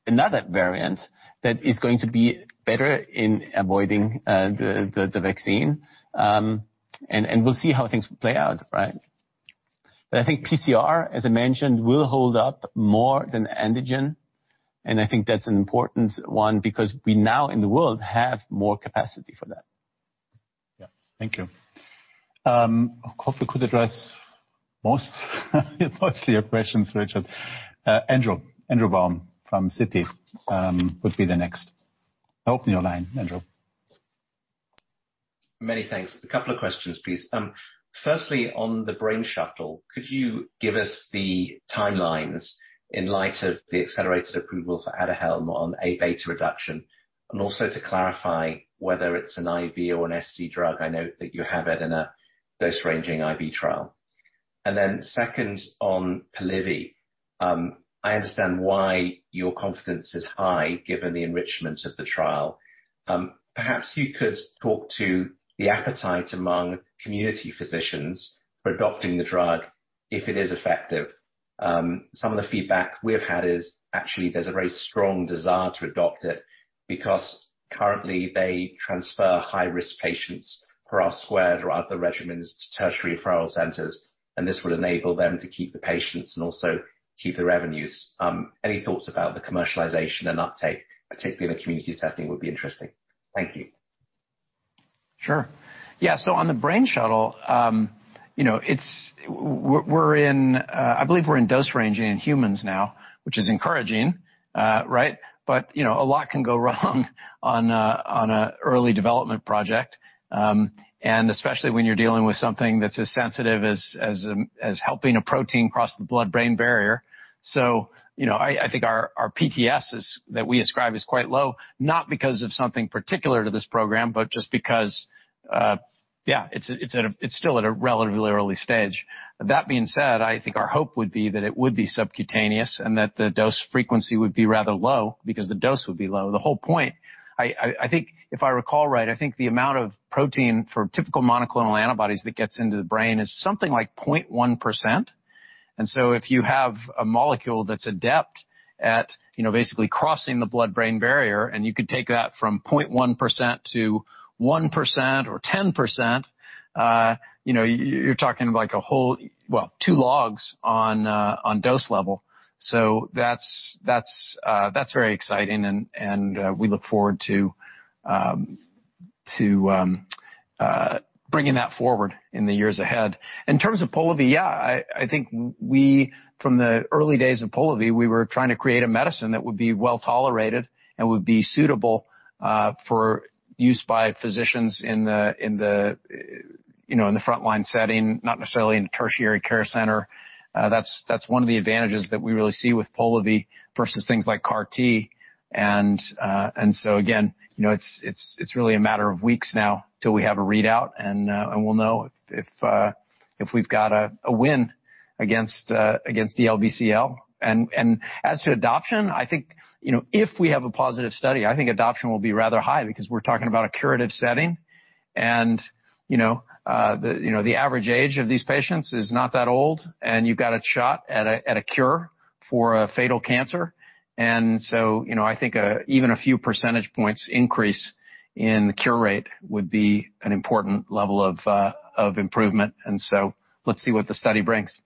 S5: another variant that is going to be better in avoiding the vaccine? We'll see how things play out, right? I think PCR, as I mentioned, will hold up more than antigen, and I think that's an important one because we now in the world have more capacity for that.
S2: Yeah. Thank you. I hope we could address mostly your questions, Richard. Andrew Baum from Citi would be the next. Open your line, Andrew.
S13: Many thanks. A couple of questions, please. Firstly, on the brain shuttle, could you give us the timelines in light of the accelerated approval for Aduhelm on Aβ reduction, and also to clarify whether it's an IV or an SC drug? I know that you have it in a dose-ranging IV trial. Then second, on Polivy. I understand why your confidence is high given the enrichment of the trial. Perhaps you could talk to the appetite among community physicians for adopting the drug if it is effective. Some of the feedback we've had is actually there's a very strong desire to adopt it, because currently they transfer high-risk patients, PROST-2 or other regimens to tertiary referral centers, and this will enable them to keep the patients and also keep the revenues. Any thoughts about the commercialization and uptake, particularly in the community setting, would be interesting. Thank you.
S4: Sure. Yeah. On the brain shuttle, I believe we're in dose ranging in humans now, which is encouraging. Right? A lot can go wrong on an early development project, and especially when you're dealing with something that's as sensitive as helping a protein cross the blood-brain barrier. I think our PTS that we ascribe is quite low, not because of something particular to this program, but just because, yeah, it's still at a relatively early stage. That being said, I think our hope would be that it would be subcutaneous and that the dose frequency would be rather low because the dose would be low. The whole point, I think if I recall right, I think the amount of protein for typical monoclonal antibodies that gets into the brain is something like 0.1%. If you have a molecule that's adept at basically crossing the blood-brain barrier, and you could take that from 0.1% to 1% or 10%, you're talking like a whole, well, two logs on dose level. That's very exciting and we look forward to bringing that forward in the years ahead. In terms of Polivy, yeah, I think from the early days of Polivy, we were trying to create a medicine that would be well-tolerated and would be suitable for use by physicians in the frontline setting, not necessarily in a tertiary care center. That's one of the advantages that we really see with Polivy versus things like CAR T. Again, it's really a matter of weeks now till we have a readout, and we'll know if we've got a win against DLBCL. As to adoption, I think, if we have a positive study, I think adoption will be rather high because we're talking about a curative setting. The average age of these patients is not that old, and you've got a shot at a cure for a fatal cancer. I think even a few percentage points increase in the cure rate would be an important level of improvement, so let's see what the study brings.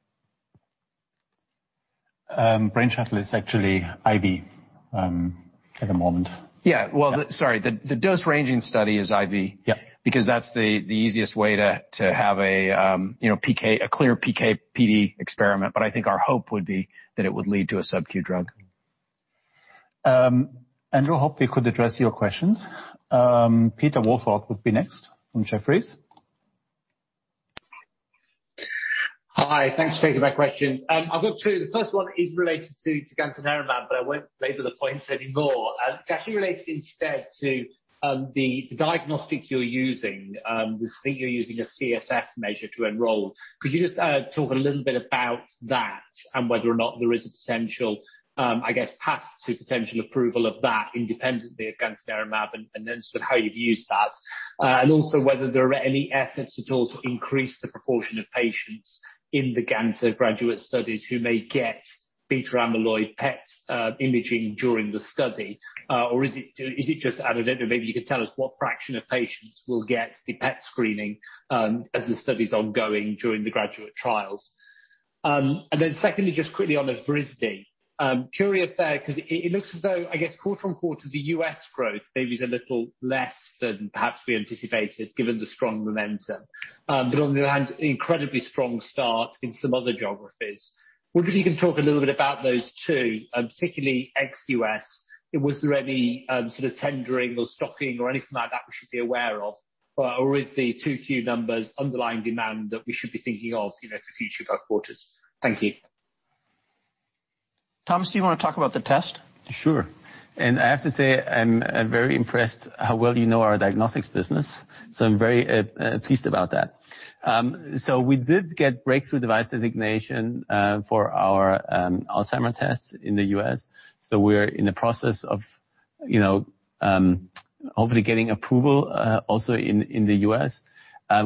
S2: Brainshuttle is actually IV at the moment.
S4: Yeah. Well, sorry. The dose-ranging study is IV.
S2: Yeah.
S4: That's the easiest way to have a clear PK/PD experiment, but I think our hope would be that it would lead to a subQ drug.
S2: Andrew, hope we could address your questions. Peter Welford would be next from Jefferies.
S14: Hi. Thanks for taking my questions. I've got two. The first one is related to gantenerumab, but I won't labor the point anymore. It's actually related instead to the Diagnostic you're using. I think you're using a CSF measure to enroll. Could you just talk a little bit about that and whether or not there is a potential, I guess, path to potential approval of that independently of gantenerumab, and then sort of how you'd use that. Also whether there are any efforts at all to increase the proportion of patients in the GRADUATE studies who may get beta amyloid PET imaging during the study. Is it just, I don't know, maybe you could tell us what fraction of patients will get the PET screening, as the study's ongoing during the GRADUATE trials. Secondly, just quickly on Evrysdi. Curious there, because it looks as though, I guess, quarter-on-quarter, the U.S. growth maybe is a little less than perhaps we anticipated, given the strong momentum. On the other hand, incredibly strong start in some other geographies. Wonder if you can talk a little bit about those two, particularly ex-U.S. Was there any sort of tendering or stocking or anything like that we should be aware of? Is the 2Q numbers underlying demand that we should be thinking of for future quarters? Thank you.
S4: Thomas, do you want to talk about the test?
S5: Sure. I have to say, I'm very impressed how well you know our Diagnostics business, so I'm very pleased about that. We did get breakthrough device designation for our Alzheimer test in the U.S. We're in the process of hopefully getting approval, also in the U.S.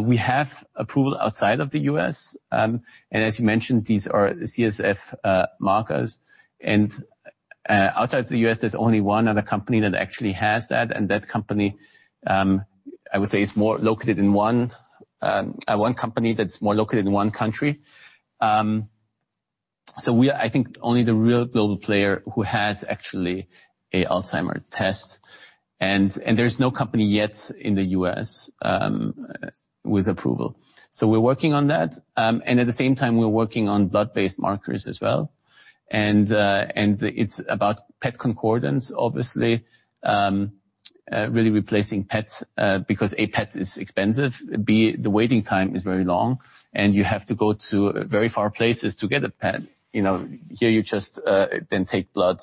S5: We have approval outside of the U.S., and as you mentioned, these are CSF markers. Outside the U.S., there's only one other company that actually has that. That company, I would say, is more located in one country. We are, I think, only the real global player who has actually a Alzheimer test. There's no company yet in the U.S. with approval. We're working on that. At the same time, we're working on blood-based markers as well. It's about PET concordance, obviously, really replacing PETs because, A, PET is expensive, B, the waiting time is very long, and you have to go to very far places to get a PET. Here you just then take blood,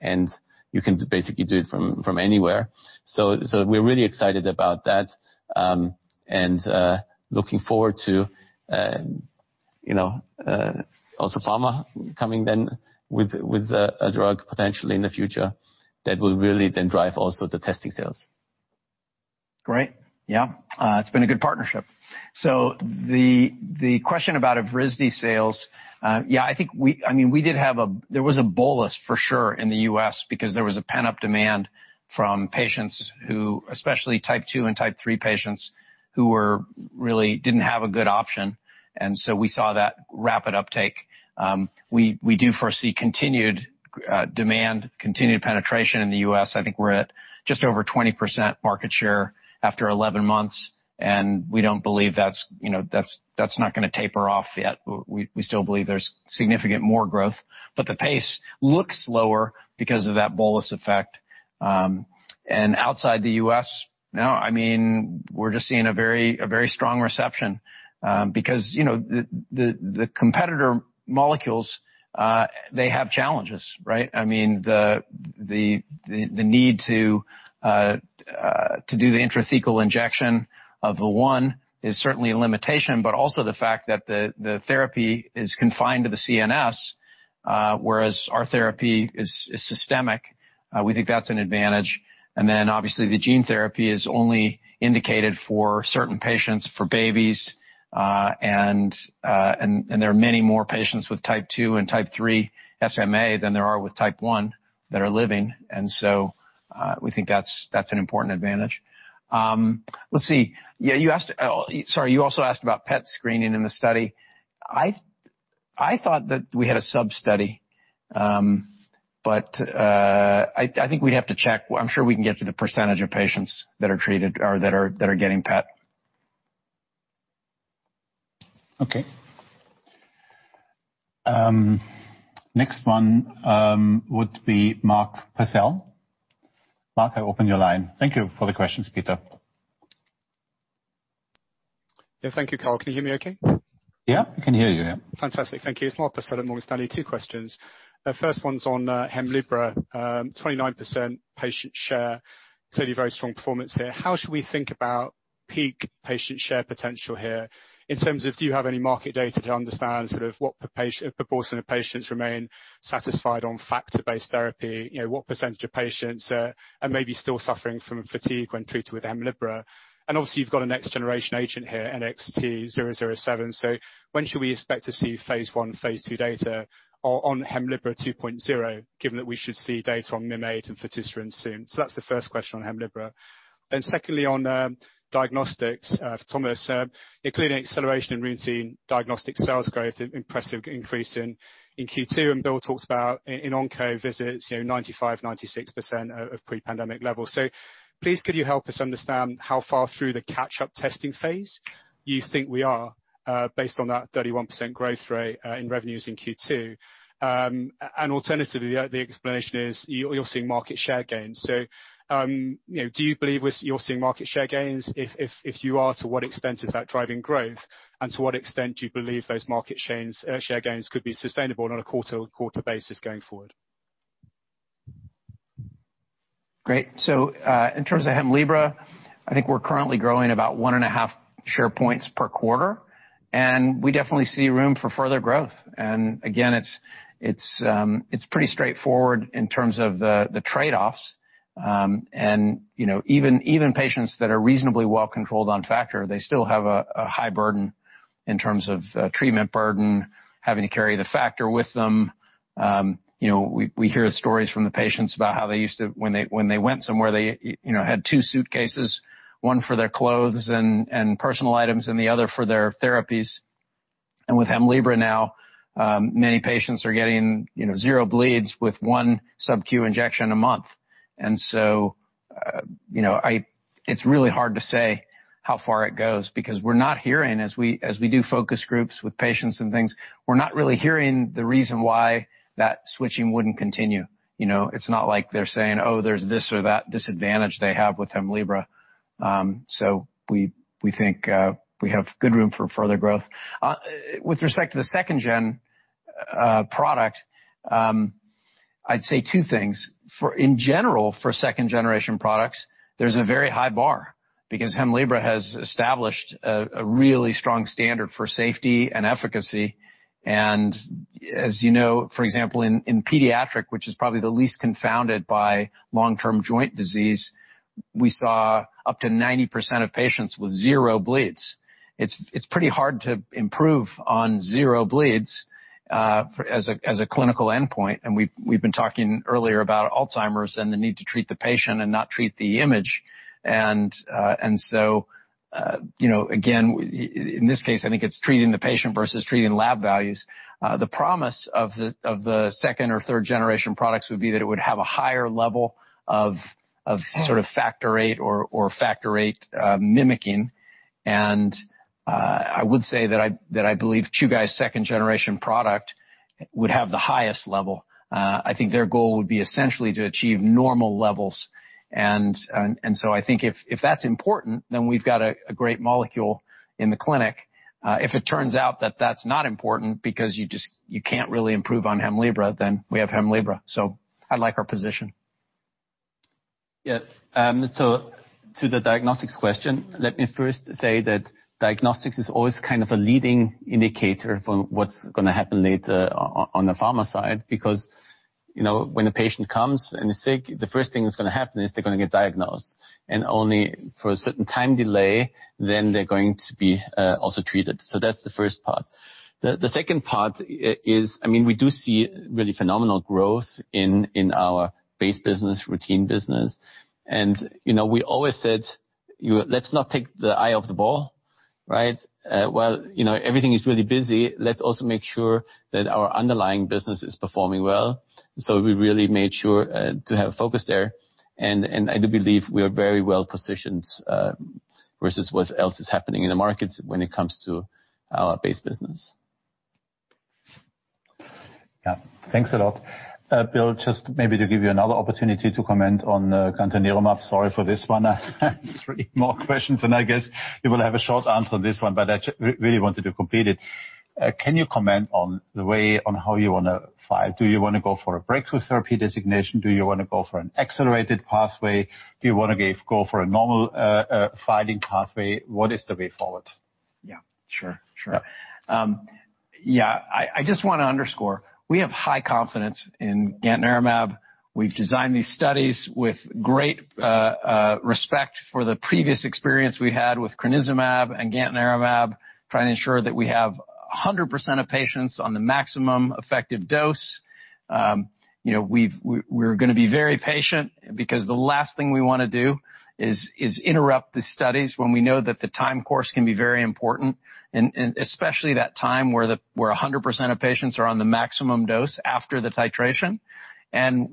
S5: and you can basically do it from anywhere. We're really excited about that, and looking forward to also Pharma coming then with a drug potentially in the future that will really then drive also the testing sales.
S4: Great. Yeah. It's been a good partnership. The question about Evrysdi sales, yeah, there was a bolus for sure in the U.S. because there was a pent-up demand from patients who, especially type 2 and type 3 patients, who really didn't have a good option. We saw that rapid uptake. We do foresee continued demand, continued penetration in the U.S. I think we're at just over 20% market share after 11 months, and we don't believe that's going to taper off yet. We still believe there's significant more growth, but the pace looks lower because of that bolus effect. Outside the U.S., now, we're just seeing a very strong reception. The competitor molecules, they have challenges, right? The need to do the intrathecal injection of 1 is certainly a limitation. Also, the fact that the therapy is confined to the CNS, whereas our therapy is systemic. We think that's an advantage. Obviously the gene therapy is only indicated for certain patients, for babies, and there are many more patients with type 2 and type 3 SMA than there are with type 1 that are living. We think that's an important advantage. Let's see. You also asked about PET screening in the study. I thought that we had a sub-study. I think we'd have to check. I'm sure we can get to the percentage of patients that are treated or that are getting PET.
S2: Okay. Next one would be Mark Purcell. Mark, I open your line. Thank you for the questions, Peter.
S15: Yeah. Thank you, Karl. Can you hear me okay?
S2: Yeah, I can hear you yeah.
S15: Fantastic. Thank you. It's Mark Purcell at Morgan Stanley. Two questions. The first one's on Hemlibra. 29% patient share, clearly very strong performance there. How should we think about peak patient share potential here in terms of, do you have any market data to understand sort of what proportion of patients remain satisfied on factor-based therapy? What percentage of patients are maybe still suffering from fatigue when treated with Hemlibra? Obviously you've got a next-generation agent here, NXT007, so when should we expect to see phase I, phase II data on Hemlibra 2.0, given that we should see data on Mim8 and fitusiran soon? That's the first question on Hemlibra. Secondly, on Diagnostics, for Thomas. Including acceleration in routine Diagnostic sales growth, an impressive increase in Q2, and Bill talked about in oncology visits, 95%-96% of pre-pandemic levels. Please could you help us understand how far through the catch-up testing phase you think we are? Based on that 31% growth rate in revenues in Q2. Alternatively, the explanation is you're seeing market share gains. Do you believe you're seeing market share gains? If you are, to what extent is that driving growth, and to what extent do you believe those market share gains could be sustainable on a quarter basis going forward?
S4: Great. In terms of Hemlibra, I think we're currently growing about one and a half share points per quarter. We definitely see room for further growth. Again, it's pretty straightforward in terms of the trade-offs. Even patients that are reasonably well-controlled on factor, they still have a high burden in terms of treatment burden, having to carry the factor with them. We hear stories from the patients about how they used to, when they went somewhere, they had two suitcases, one for their clothes and personal items and the other for their therapies. With Hemlibra now, many patients are getting zero bleeds with one subQ injection a month. It's really hard to say how far it goes because we're not hearing, as we do focus groups with patients and things, we're not really hearing the reason why that switching wouldn't continue. It's not like they're saying, "Oh, there's this or that," disadvantage they have with Hemlibra. We think we have good room for further growth. With respect to the second gen product, I'd say two things. In general, for second-generation products, there's a very high bar because Hemlibra has established a really strong standard for safety and efficacy. As you know, for example, in pediatric, which is probably the least confounded by long-term joint disease, we saw up to 90% of patients with zero bleeds. It's pretty hard to improve on zero bleeds as a clinical endpoint, and we've been talking earlier about Alzheimer's and the need to treat the patient and not treat the image. Again, in this case, I think it's treating the patient versus treating lab values. The promise of the second or third-generation products would be that it would have a higher level of sort of factor VIII or factor VIII mimicking. I would say that I believe Chugai's second-generation product would have the highest level. I think their goal would be essentially to achieve normal levels. I think if that's important, then we've got a great molecule in the clinic. If it turns out that that's not important because you can't really improve on Hemlibra, then we have Hemlibra. I like our position.
S5: To the Diagnostics question, let me first say that Diagnostics is always a leading indicator for what's going to happen later on the Pharma side, because when a patient comes and is sick, the first thing that's going to happen is they're going to get diagnosed, and only for a certain time delay, then they're going to be also treated. That's the first part. The second part is, we do see really phenomenal growth in our base business, routine business. We always said, "Let's not take the eye off the ball." Right? While everything is really busy, let's also make sure that our underlying business is performing well. We really made sure to have focus there. I do believe we are very well-positioned versus what else is happening in the market when it comes to our base business.
S2: Yeah. Thanks a lot. Bill, just maybe to give you another opportunity to comment on gantenerumab. Sorry for this one. Three more questions, and I guess you will have a short answer on this one, but I really wanted to complete it. Can you comment on the way, on how you want to file? Do you want to go for a breakthrough therapy designation? Do you want to go for an accelerated pathway? Do you want to go for a normal filing pathway? What is the way forward?
S4: Yeah, sure. Yeah. I just want to underscore, we have high confidence in gantenerumab. We've designed these studies with great respect for the previous experience we had with crenezumab and gantenerumab, trying to ensure that we have 100% of patients on the maximum effective dose. We're going to be very patient because the last thing we want to do is interrupt the studies when we know that the time course can be very important, and especially that time where 100% of patients are on the maximum dose after the titration.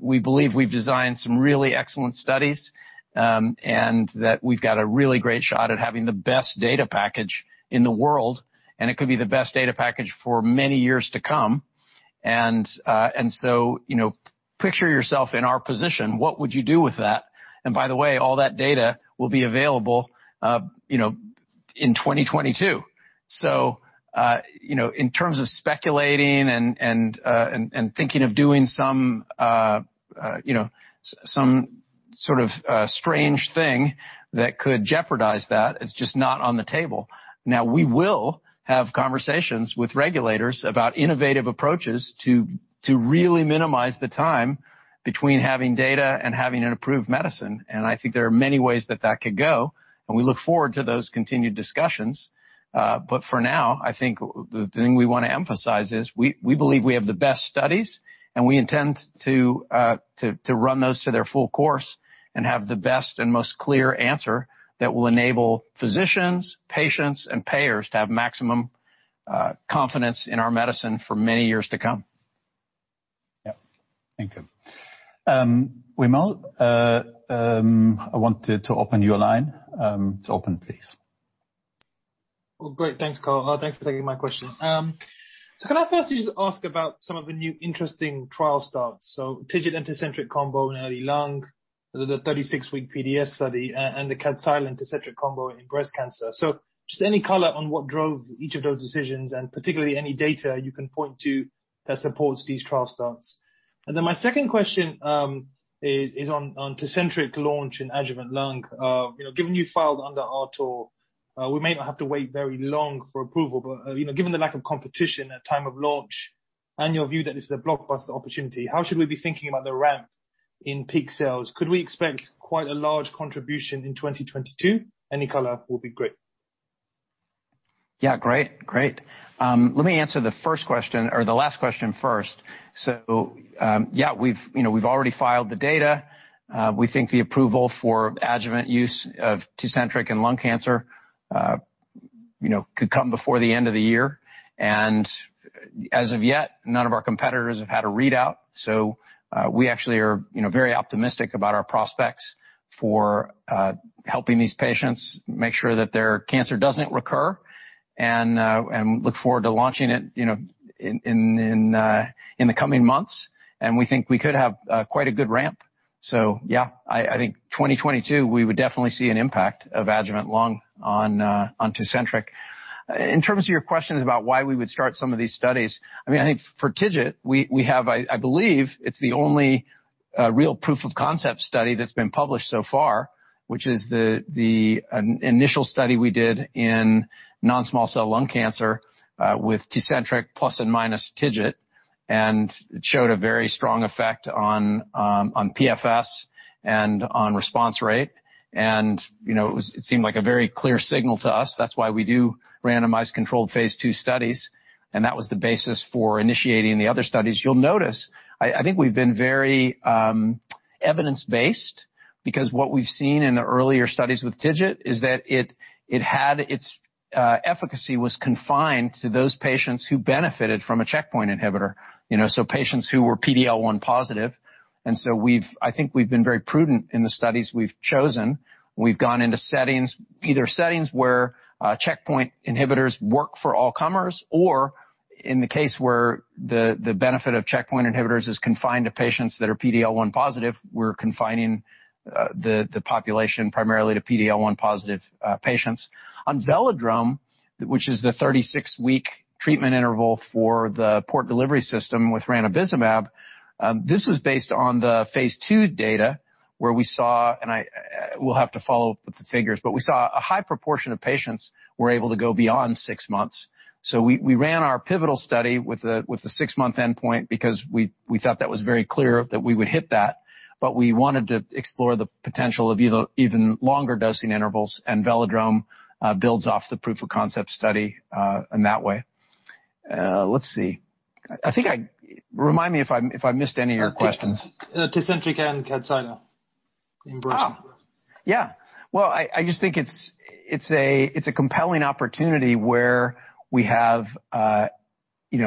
S4: We believe we've designed some really excellent studies, and that we've got a really great shot at having the best data package in the world, and it could be the best data package for many years to come. Picture yourself in our position. What would you do with that? By the way, all that data will be available in 2022. In terms of speculating and thinking of doing some sort of strange thing that could jeopardize that, it's just not on the table. We will have conversations with regulators about innovative approaches to really minimize the time between having data and having an approved medicine. I think there are many ways that that could go, and we look forward to those continued discussions. For now, I think the thing we want to emphasize is we believe we have the best studies, and we intend to run those to their full course and have the best and most clear answer that will enable physicians, patients, and payers to have maximum confidence in our medicine for many years to come.
S2: Thank you. Wimal, I wanted to open your line. It is open, please.
S11: Well, great. Thanks, Karl. Thanks for taking my question. Can I first just ask about some of the new interesting trial starts, TIGIT and Tecentriq combo in early lung, the 36-week PDS study, and the Kadcyla and Tecentriq combo in breast cancer. Just any color on what drove each of those decisions, and particularly any data you can point to that supports these trial starts. My second question is on Tecentriq launch in adjuvant lung. Given you filed under RTOR, we may not have to wait very long for approval. Given the lack of competition at time of launch and your view that this is a blockbuster opportunity, how should we be thinking about the ramp in peak sales? Could we expect quite a large contribution in 2022? Any color will be great.
S4: Yeah, great. Let me answer the first question or the last question first. Yeah, we've already filed the data. We think the approval for adjuvant use of Tecentriq in lung cancer could come before the end of the year. As of yet, none of our competitors have had a readout. We actually are very optimistic about our prospects for helping these patients make sure that their cancer doesn't recur, and look forward to launching it in the coming months. We think we could have quite a good ramp. Yeah, I think 2022, we would definitely see an impact of adjuvant lung on Tecentriq. In terms of your questions about why we would start some of these studies, I think for TIGIT, we have, I believe it's the only real proof of concept study that's been published so far, which is the initial study we did in non-small cell lung cancer, with Tecentriq plus and minus TIGIT. It showed a very strong effect on PFS and on response rate. It seemed like a very clear signal to us. That's why we do randomized controlled phase II studies, and that was the basis for initiating the other studies. You'll notice, I think we've been very evidence-based, because what we've seen in the earlier studies with TIGIT is that its efficacy was confined to those patients who benefited from a checkpoint inhibitor, so patients who were PD-L1 positive. I think we've been very prudent in the studies we've chosen. We've gone into either settings where checkpoint inhibitors work for all comers or, in the case where the benefit of checkpoint inhibitors is confined to patients that are PD-L1 positive, we're confining the population primarily to PD-L1 positive patients. On Velodrome, which is the 36-week treatment interval for the Port Delivery System with ranibizumab, this was based on the phase II data where we saw, and we'll have to follow up with the figures, but we saw a high proportion of patients were able to go beyond six months. We ran our pivotal study with the six-month endpoint because we thought that was very clear that we would hit that. We wanted to explore the potential of even longer dosing intervals, and Velodrome builds off the proof of concept study in that way. Let's see. Remind me if I missed any of your questions.
S11: Tecentriq and Kadcyla in breast cancer.
S4: I just think it's a compelling opportunity where we have, in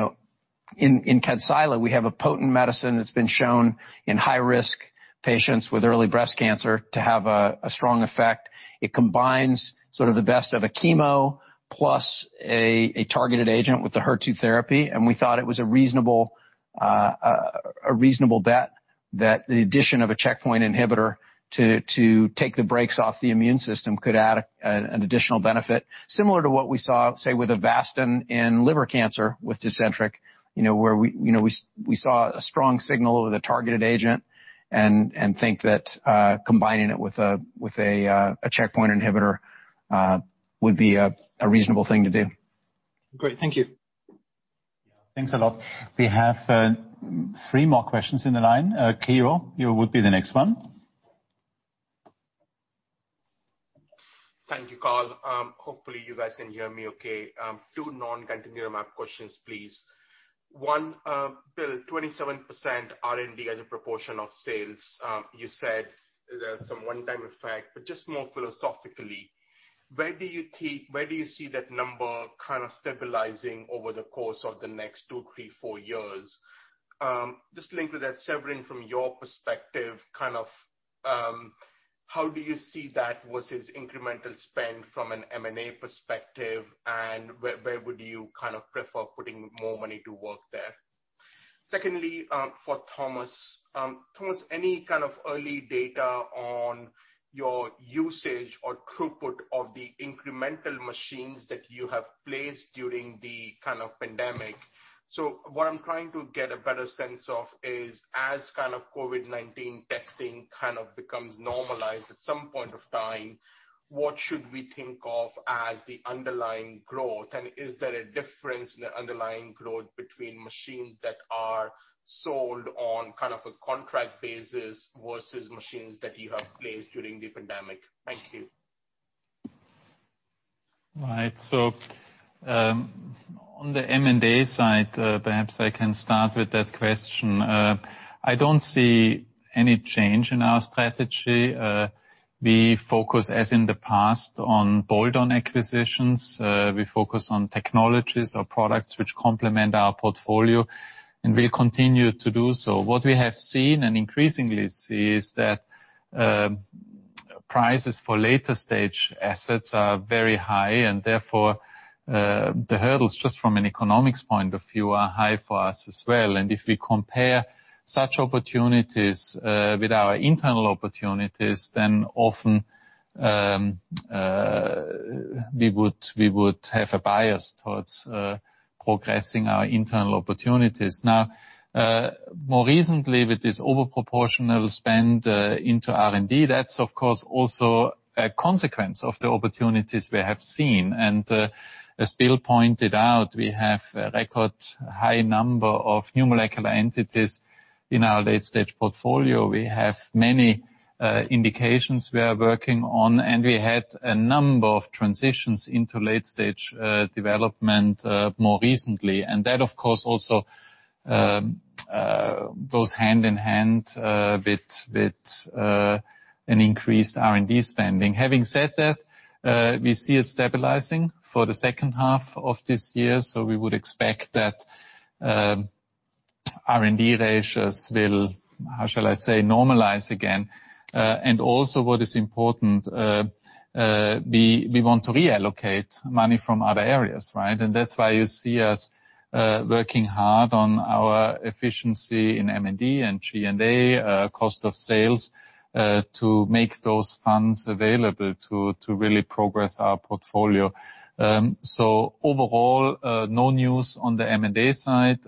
S4: Kadcyla, we have a potent medicine that's been shown in high-risk patients with early breast cancer to have a strong effect. It combines sort of the best of a chemo plus a targeted agent with the HER2 therapy. We thought it was a reasonable bet that the addition of a checkpoint inhibitor to take the brakes off the immune system could add an additional benefit. Similar to what we saw, say, with Avastin in liver cancer with Tecentriq, where we saw a strong signal with a targeted agent and think that combining it with a checkpoint inhibitor would be a reasonable thing to do.
S11: Great. Thank you.
S2: Thanks a lot. We have three more questions in the line. Kiro, you will be the next one.
S11: Thank you, Karl. Hopefully, you guys can hear me okay. Two non-continuum questions, please. One, Bill, 27% R&D as a proportion of sales. You said there's some one-time effect, just more philosophically, where do you see that number kind of stabilizing over the course of the next two, three, four years? Just linked with that, Severin, from your perspective, how do you see that versus incremental spend from an M&A perspective, where would you prefer putting more money to work there? Secondly. For Thomas. Thomas, any kind of early data on your usage or throughput of the incremental machines that you have placed during the pandemic? What I'm trying to get a better sense of is as COVID-19 testing becomes normalized at some point of time, what should we think of as the underlying growth, and is there a difference in the underlying growth between machines that are sold on a contract basis versus machines that you have placed during the pandemic? Thank you.
S3: Right. On the M&A side, perhaps I can start with that question. I don't see any change in our strategy. We focus, as in the past, on bolt-on acquisitions. We focus on technologies or products which complement our portfolio, and we'll continue to do so. What we have seen and increasingly see is that prices for late-stage assets are very high, and therefore, the hurdles just from an economics point of view are high for us as well. If we compare such opportunities with our internal opportunities, then often we would have a bias towards progressing our internal opportunities. More recently with this over proportional spend into R&D, that's of course, also a consequence of the opportunities we have seen. As Bill pointed out, we have a record high number of new molecular entities in our late-stage portfolio. We have many indications we are working on. We had a number of transitions into late-stage development, more recently. That, of course, also goes hand in hand with an increased R&D spending. Having said that, we see it stabilizing for the second half of this year, so we would expect that R&D ratios will, how shall I say? Normalize again. Also what is important, we want to reallocate money from other areas, right? That's why you see us working hard on our efficiency in M&D and G&A, cost of sales, to make those funds available to really progress our portfolio. Overall, no news on the M&A side.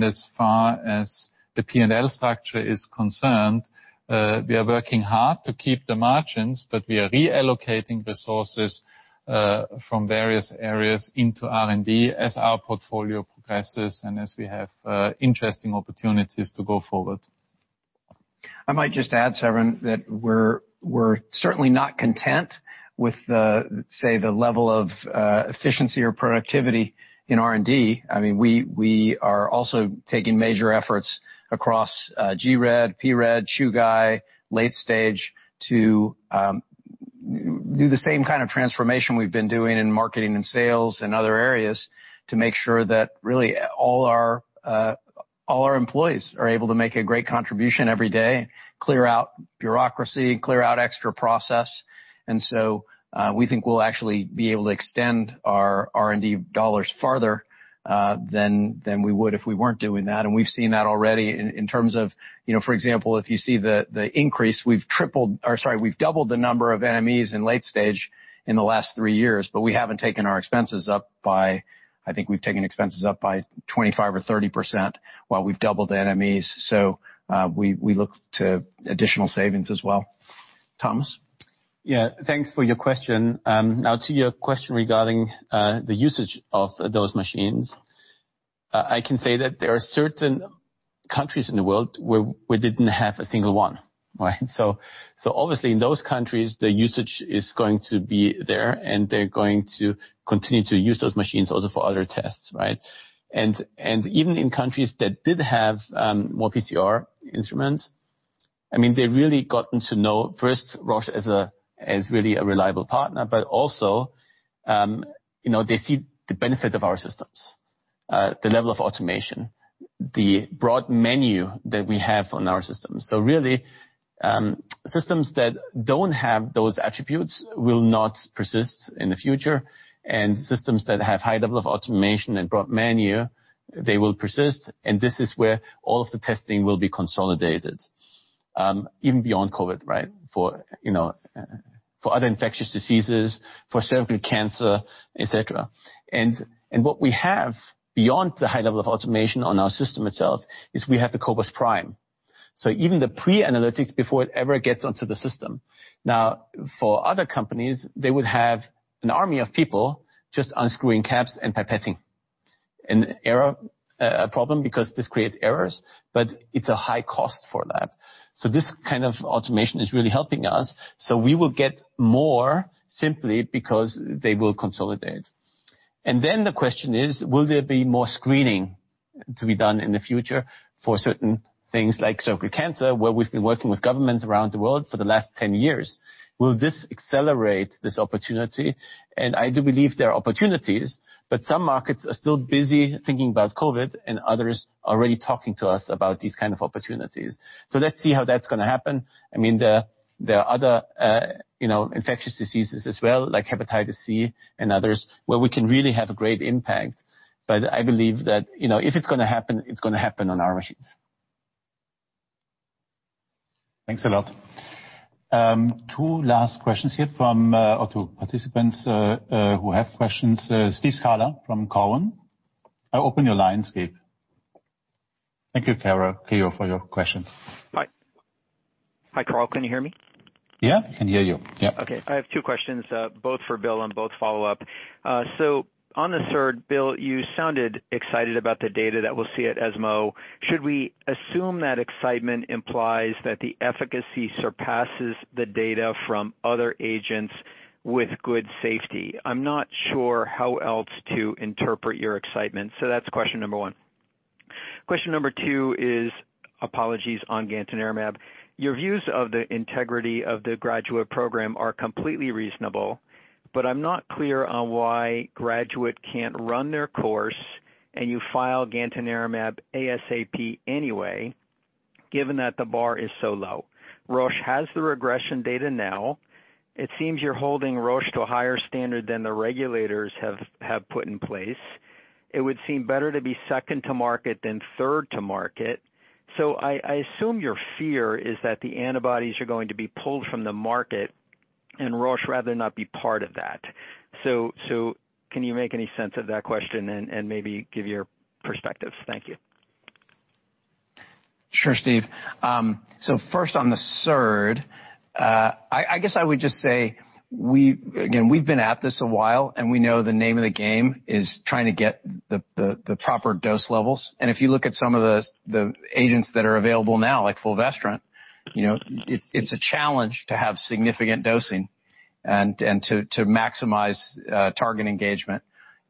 S3: As far as the P&L structure is concerned, we are working hard to keep the margins, but we are reallocating resources from various areas into R&D as our portfolio progresses and as we have interesting opportunities to go forward.
S4: I might just add, Severin, that we're certainly not content with, say, the level of efficiency or productivity in R&D. We are also taking major efforts across gRED, pRED, Chugai, late stage to do the same kind of transformation we've been doing in marketing and sales and other areas to make sure that really all our employees are able to make a great contribution every day, clear out bureaucracy, clear out extra process. We think we'll actually be able to extend our R&D dollars farther than we would if we weren't doing that. We've seen that already in terms of, for example, if you see the increase, we've tripled, or sorry, we've doubled the number of NMEs in late stage in the last three years, but we haven't taken our expenses up by, I think we've taken expenses up by 25% or 30% while we've doubled the NMEs. We look to additional savings as well. Thomas?
S5: Yeah. Thanks for your question. Now to your question regarding the usage of those machines. I can say that there are certain countries in the world where we didn't have a single one, right? Obviously in those countries, the usage is going to be there, and they're going to continue to use those machines also for other tests, right? Even in countries that did have more PCR instruments, they really gotten to know, first, Roche as really a reliable partner, but also they see the benefit of our systems, the level of automation, the broad menu that we have on our systems. Really, systems that don't have those attributes will not persist in the future. Systems that have high level of automation and broad menu, they will persist, and this is where all of the testing will be consolidated, even beyond COVID, right? For other infectious diseases, for cervical cancer, et cetera. What we have, beyond the high level of automation on our system itself, is we have the cobas prime. Even the pre-analytics before it ever gets onto the system. Now, for other companies, they would have an army of people just unscrewing caps and pipetting. An error problem because this creates errors, but it's a high cost for that. This kind of automation is really helping us. We will get more simply because they will consolidate. Then the question is, will there be more screening to be done in the future for certain things like cervical cancer, where we've been working with governments around the world for the last 10 years? Will this accelerate this opportunity? I do believe there are opportunities, but some markets are still busy thinking about COVID and others are already talking to us about these kind of opportunities. Let's see how that's going to happen. There are other infectious diseases as well, like hepatitis C and others, where we can really have a great impact. I believe that if it's going to happen, it's going to happen on our machines.
S2: Thanks a lot. Two last questions here from two participants who have questions. Steve Scala from Cowen. I open your lines, Steve. Thank you, Kayo, for your questions.
S16: Hi, Karl. Can you hear me?
S2: Yeah. I can hear you. Yep.
S16: I have two questions, both for Bill, and both follow up. On the third, Bill, you sounded excited about the data that we'll see at ESMO. Should we assume that excitement implies that the efficacy surpasses the data from other agents with good safety? I'm not sure how else to interpret your excitement. That's question number one. Question number two is, apologies on gantenerumab. Your views of the integrity of the GRADUATE program are completely reasonable, but I'm not clear on why GRADUATE can't run their course. You file gantenerumab ASAP anyway, given that the bar is so low. Roche has the regression data now. It seems you're holding Roche to a higher standard than the regulators have put in place. It would seem better to be second to market than third to market. I assume your fear is that the antibodies are going to be pulled from the market, and Roche rather not be part of that. Can you make any sense of that question and maybe give your perspective? Thank you.
S4: Sure, Steve. First on the SERD, I guess I would just say, again, we've been at this a while, and we know the name of the game is trying to get the proper dose levels. If you look at some of the agents that are available now, like fulvestrant, it's a challenge to have significant dosing and to maximize target engagement.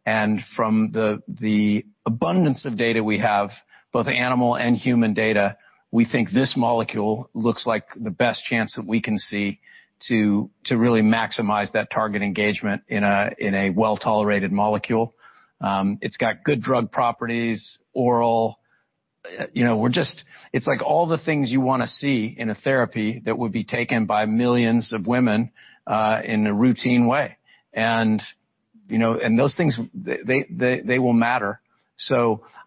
S4: From the abundance of data we have, both animal and human data, we think this molecule looks like the best chance that we can see to really maximize that target engagement in a well-tolerated molecule. It's got good drug properties, oral. It's like all the things you want to see in a therapy that would be taken by millions of women in a routine way. Those things, they will matter.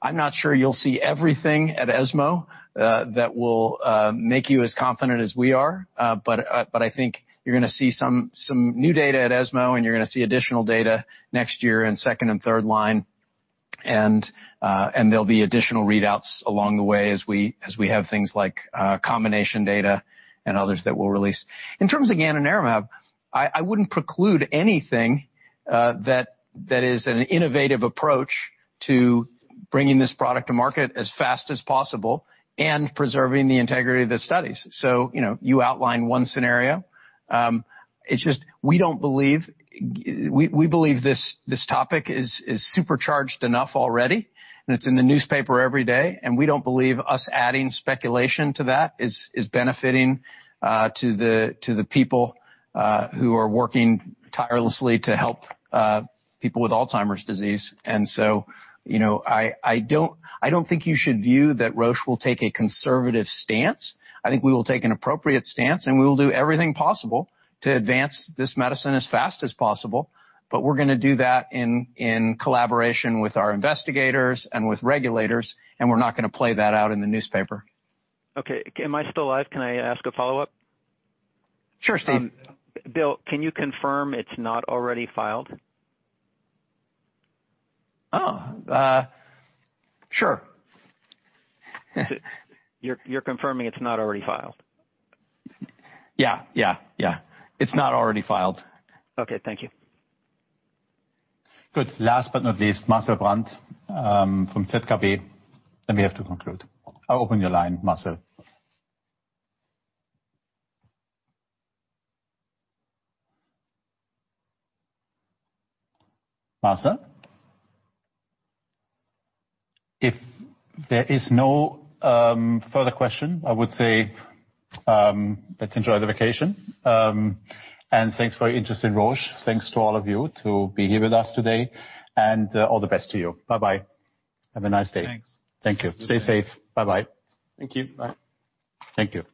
S4: I'm not sure you'll see everything at ESMO that will make you as confident as we are, but I think you're going to see some new data at ESMO, and you're going to see additional data next year in second and third line, and there'll be additional readouts along the way as we have things like combination data and others that we'll release. In terms of gantenerumab, I wouldn't preclude anything that is an innovative approach to bringing this product to market as fast as possible and preserving the integrity of the studies. You outlined one scenario. It's just, we believe this topic is supercharged enough already, and it's in the newspaper every day, and we don't believe us adding speculation to that is benefiting to the people who are working tirelessly to help people with Alzheimer's disease, and so I don't think you should view that Roche will take a conservative stance. I think we will take an appropriate stance, and we will do everything possible to advance this medicine as fast as possible, but we're going to do that in collaboration with our investigators and with regulators, and we're not going to play that out in the newspaper.
S16: Okay. Am I still live? Can I ask a follow-up?
S2: Sure, Steve.
S16: Bill, can you confirm it's not already filed?
S4: Oh. Sure.
S16: You're confirming it's not already filed.
S4: Yeah. It's not already filed.
S16: Okay. Thank you.
S2: Good. Last but not least, Marcel Brand from ZKB, then we have to conclude. I'll open your line, Marcel. Marcel? If there is no further question, I would say, let's enjoy the vacation. Thanks for your interest in Roche. Thanks to all of you to be here with us today, and all the best to you. Bye-bye. Have a nice day.
S4: Thanks.
S2: Thank you. Stay safe. Bye-bye.
S4: Thank you. Bye.
S2: Thank you.